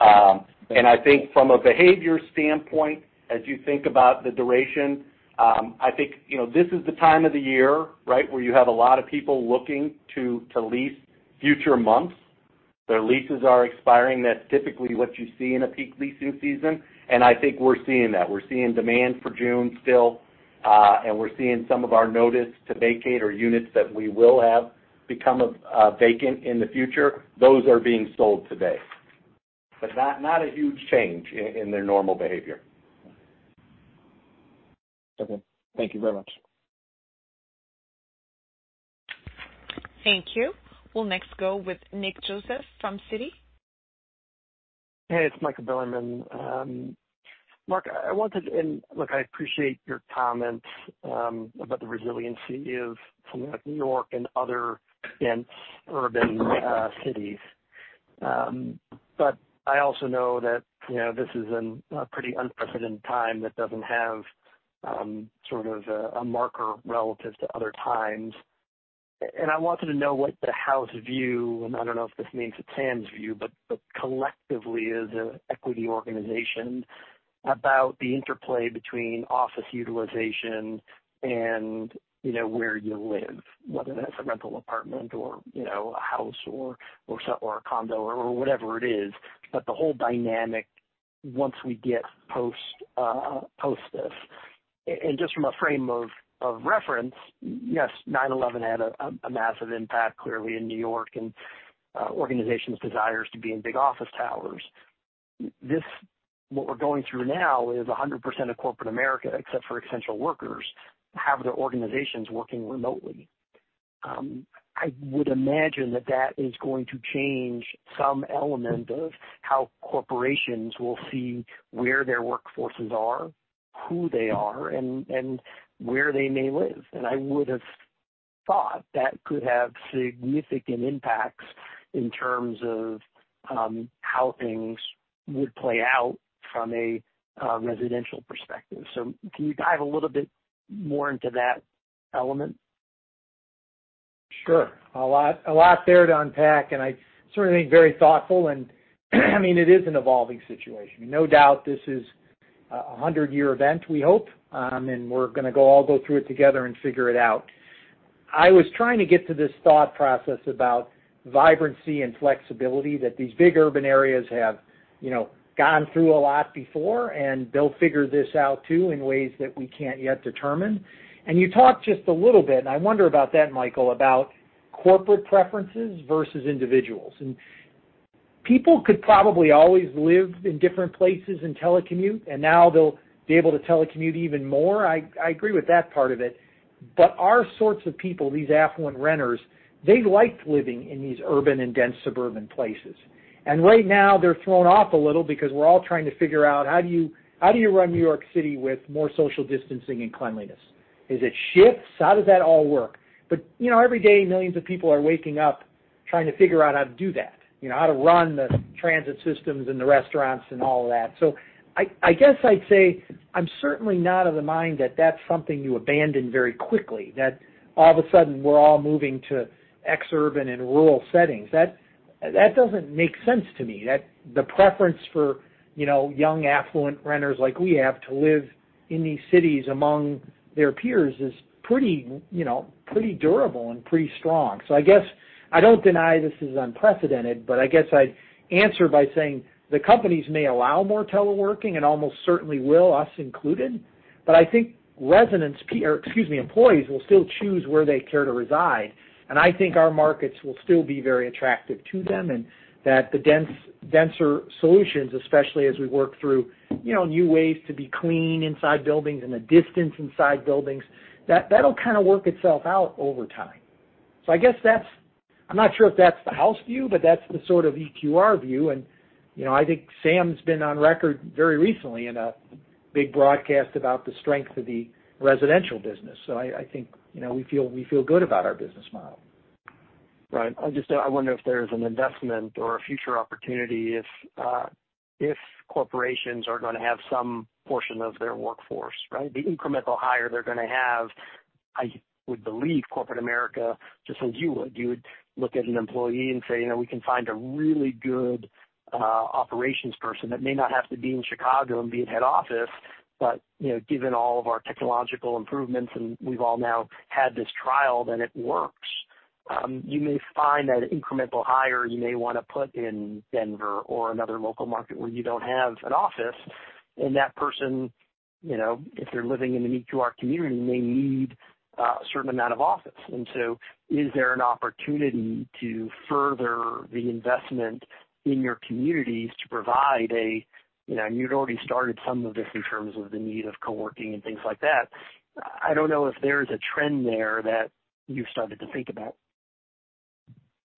I think from a behavior standpoint, as you think about the duration, I think this is the time of the year where you have a lot of people looking to lease future months. Their leases are expiring. That's typically what you see in a peak leasing season, and I think we're seeing that. We're seeing demand for June still. We're seeing some of our notice to vacate or units that we will have become vacant in the future. Those are being sold today. Not a huge change in their normal behavior. Okay. Thank you very much. Thank you. We'll next go with Nick Joseph from Citi. Hey, it's Mike Bilerman. Mark, look, I appreciate your comments about the resiliency of something like New York and other dense urban cities. I also know that this is a pretty unprecedented time that doesn't have sort of a marker relative to other times. I wanted to know what the house view, I don't know if this means it's Sam Zell's view, collectively as an Equity Residential organization about the interplay between office utilization and where you live, whether that's a rental apartment or a house or a condo or whatever it is. The whole dynamic once we get post this. Just from a frame of reference, yes, 9/11 had a massive impact, clearly, in New York and organizations' desires to be in big office towers. What we're going through now is 100% of corporate America, except for essential workers, have their organizations working remotely. I would imagine that that is going to change some element of how corporations will see where their workforces are, who they are, and where they may live. I would have thought that could have significant impacts in terms of how things would play out from a residential perspective. Can you dive a little bit more into that element? Sure. A lot there to unpack, and I certainly very thoughtful. It is an evolving situation. No doubt this is a 100-year event, we hope, and we're going to all go through it together and figure it out. I was trying to get to this thought process about vibrancy and flexibility that these big urban areas have gone through a lot before, and they'll figure this out, too, in ways that we can't yet determine. You talked just a little bit, and I wonder about that, Michael, about corporate preferences versus individuals. People could probably always live in different places and telecommute, and now they'll be able to telecommute even more. I agree with that part of it. Our sorts of people, these affluent renters, they like living in these urban and dense suburban places. Right now, they're thrown off a little because we're all trying to figure out how do you run New York City with more social distancing and cleanliness? Is it shifts? How does that all work? Every day, millions of people are waking up trying to figure out how to do that, how to run the transit systems and the restaurants and all that. I guess I'd say I'm certainly not of the mind that that's something you abandon very quickly, that all of a sudden we're all moving to exurban and rural settings. That doesn't make sense to me. The preference for young affluent renters like we have to live in these cities among their peers is pretty durable and pretty strong. I guess I don't deny this is unprecedented, but I guess I'd answer by saying the companies may allow more teleworking and almost certainly will, us included. I think employees will still choose where they care to reside, and I think our markets will still be very attractive to them and that the denser solutions, especially as we work through new ways to be clean inside buildings and the distance inside buildings, that'll kind of work itself out over time. I guess I'm not sure if that's the house view, but that's the sort of EQR view. I think some been on record very recently in a big broadcast about the strength of the residential business. I think we feel good about our business model. Right. I wonder if there's an investment or a future opportunity if corporations are going to have some portion of their workforce, the incremental hire they're going to have. I would believe corporate America just as you would. You would look at an employee and say, "We can find a really good operations person that may not have to be in Chicago and be at head office." Given all of our technological improvements and we've all now had this trial, then it works. You may find that incremental hire you may want to put in Denver or another local market where you don't have an office. That person, if they're living in an EQR community, may need a certain amount of office. Is there an opportunity to further the investment in your communities to provide? You'd already started some of this in terms of the need of co-working and things like that. I don't know if there's a trend there that you've started to think about.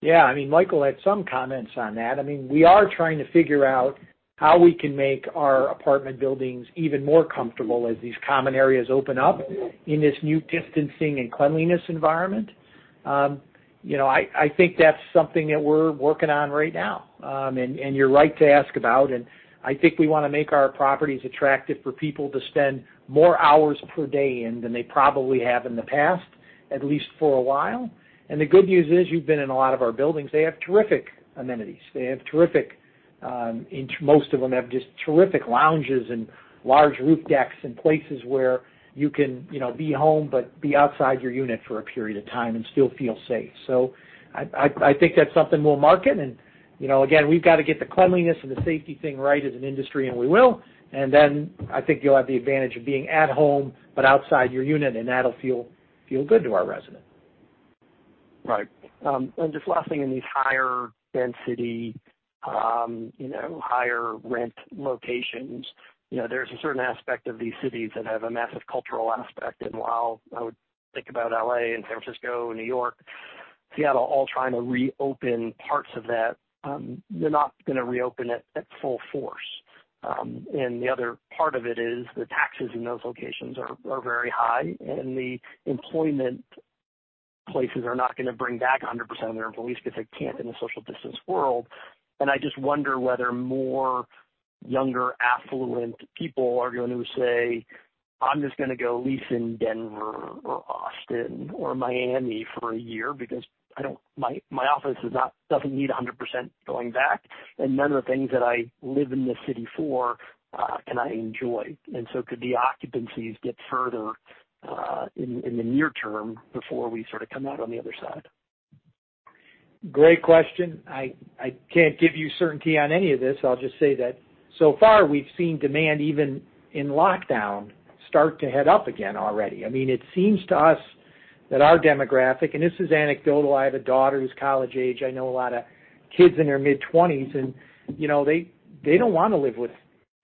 Yeah. Michael had some comments on that. We are trying to figure out how we can make our apartment buildings even more comfortable as these common areas open up in this new distancing and cleanliness environment. I think that's something that we're working on right now. You're right to ask about, and I think we want to make our properties attractive for people to spend more hours per day in than they probably have in the past, at least for a while. The good news is, you've been in a lot of our buildings, they have terrific amenities. Most of them have just terrific lounges and large roof decks and places where you can be home, but be outside your unit for a period of time and still feel safe. I think that's something we'll market, and again, we've got to get the cleanliness and the safety thing right as an industry, and we will. Then I think you'll have the advantage of being at home, but outside your unit, and that'll feel good to our residents. Right. Just last thing, in these higher density, higher rent locations, there's a certain aspect of these cities that have a massive cultural aspect. While I would think about L.A. and San Francisco, New York, Seattle, all trying to reopen parts of that, they're not going to reopen it at full force. The other part of it is the taxes in those locations are very high, and the employment places are not going to bring back 100% of their employees because they can't in a social distanced world. I just wonder whether more younger, affluent people are going to say, "I'm just going to go lease in Denver or Austin or Miami for a year because my office doesn't need 100% going back, and none of the things that I live in this city for can I enjoy." Could the occupancies dip further in the near term before we sort of come out on the other side? Great question. I can't give you certainty on any of this. I'll just say that so far, we've seen demand, even in lockdown, start to head up again already. It seems to us that our demographic, and this is anecdotal, I have a daughter who's college age. I know a lot of kids in their mid-20s, and they don't want to live with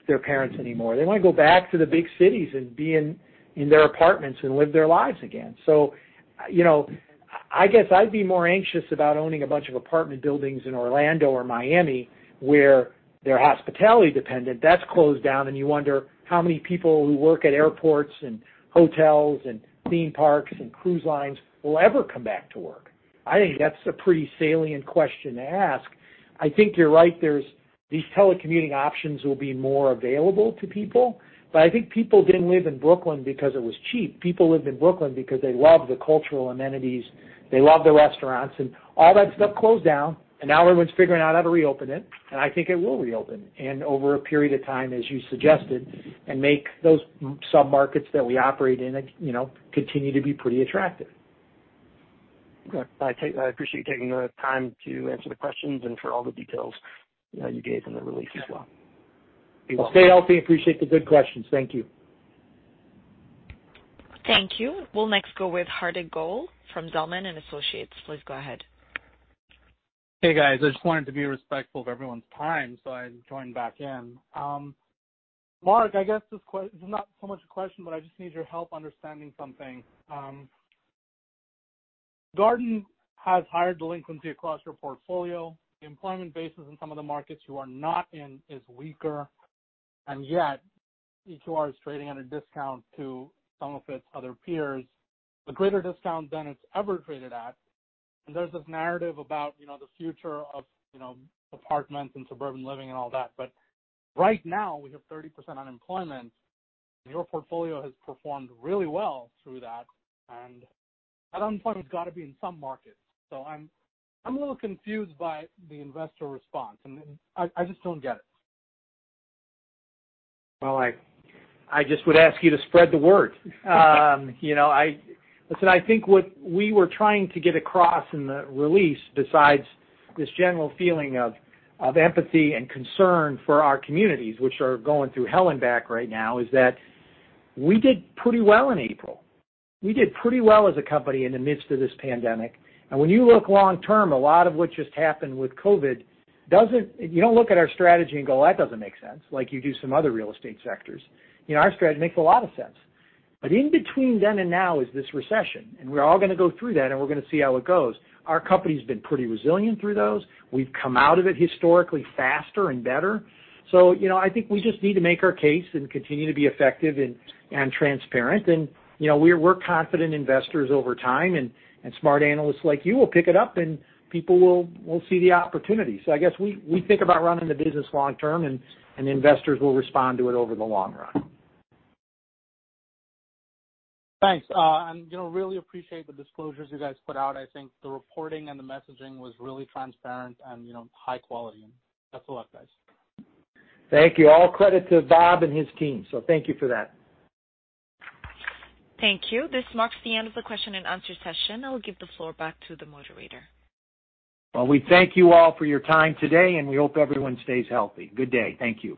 their parents anymore. They want to go back to the big cities and be in their apartments and live their lives again. I guess I'd be more anxious about owning a bunch of apartment buildings in Orlando or Miami, where they're hospitality dependent. That's closed down, and you wonder how many people who work at airports and hotels and theme parks and cruise lines will ever come back to work. I think that's a pretty salient question to ask. I think you're right. These telecommuting options will be more available to people. I think people didn't live in Brooklyn because it was cheap. People lived in Brooklyn because they love the cultural amenities, they love the restaurants, and all that stuff closed down, and now everyone's figuring out how to reopen it, and I think it will reopen, and over a period of time, as you suggested, and make those sub-markets that we operate in continue to be pretty attractive. I appreciate you taking the time to answer the questions and for all the details you gave in the release as well. Be well. Stay healthy. I appreciate the good questions. Thank you. Thank you. We'll next go with Hardik Goel from Zelman & Associates. Please go ahead. Hey, guys. I just wanted to be respectful of everyone's time, so I joined back in. Mark, I guess this is not so much a question, but I just need your help understanding something. Garden has higher delinquency across your portfolio. The employment bases in some of the markets you are not in is weaker, yet EQR is trading at a discount to some of its other peers, a greater discount than it's ever traded at. There's this narrative about the future of apartments and suburban living and all that. Right now, we have 30% unemployment, and your portfolio has performed really well through that, and that unemployment's got to be in some markets. I'm a little confused by the investor response, and I just don't get it. Well, I just would ask you to spread the word. Listen, I think what we were trying to get across in the release, besides this general feeling of empathy and concern for our communities, which are going through hell and back right now, is that we did pretty well in April. We did pretty well as a company in the midst of this pandemic. When you look long term, a lot of what just happened with COVID, you don't look at our strategy and go, "That doesn't make sense," like you do some other real estate sectors. Our strategy makes a lot of sense. In between then and now is this recession, we're all going to go through that, we're going to see how it goes. Our company's been pretty resilient through those. We've come out of it historically faster and better. I think we just need to make our case and continue to be effective and transparent. We're confident investors over time, and smart analysts like you will pick it up, and people will see the opportunity. I guess we think about running the business long term, and the investors will respond to it over the long run. Thanks. Really appreciate the disclosures you guys put out. I think the reporting and the messaging was really transparent and high quality. That's all I've got. Thank you. All credit to Bob and his team. Thank you for that. Thank you. This marks the end of the question and answer session. I will give the floor back to the moderator. Well, we thank you all for your time today. We hope everyone stays healthy. Good day. Thank you.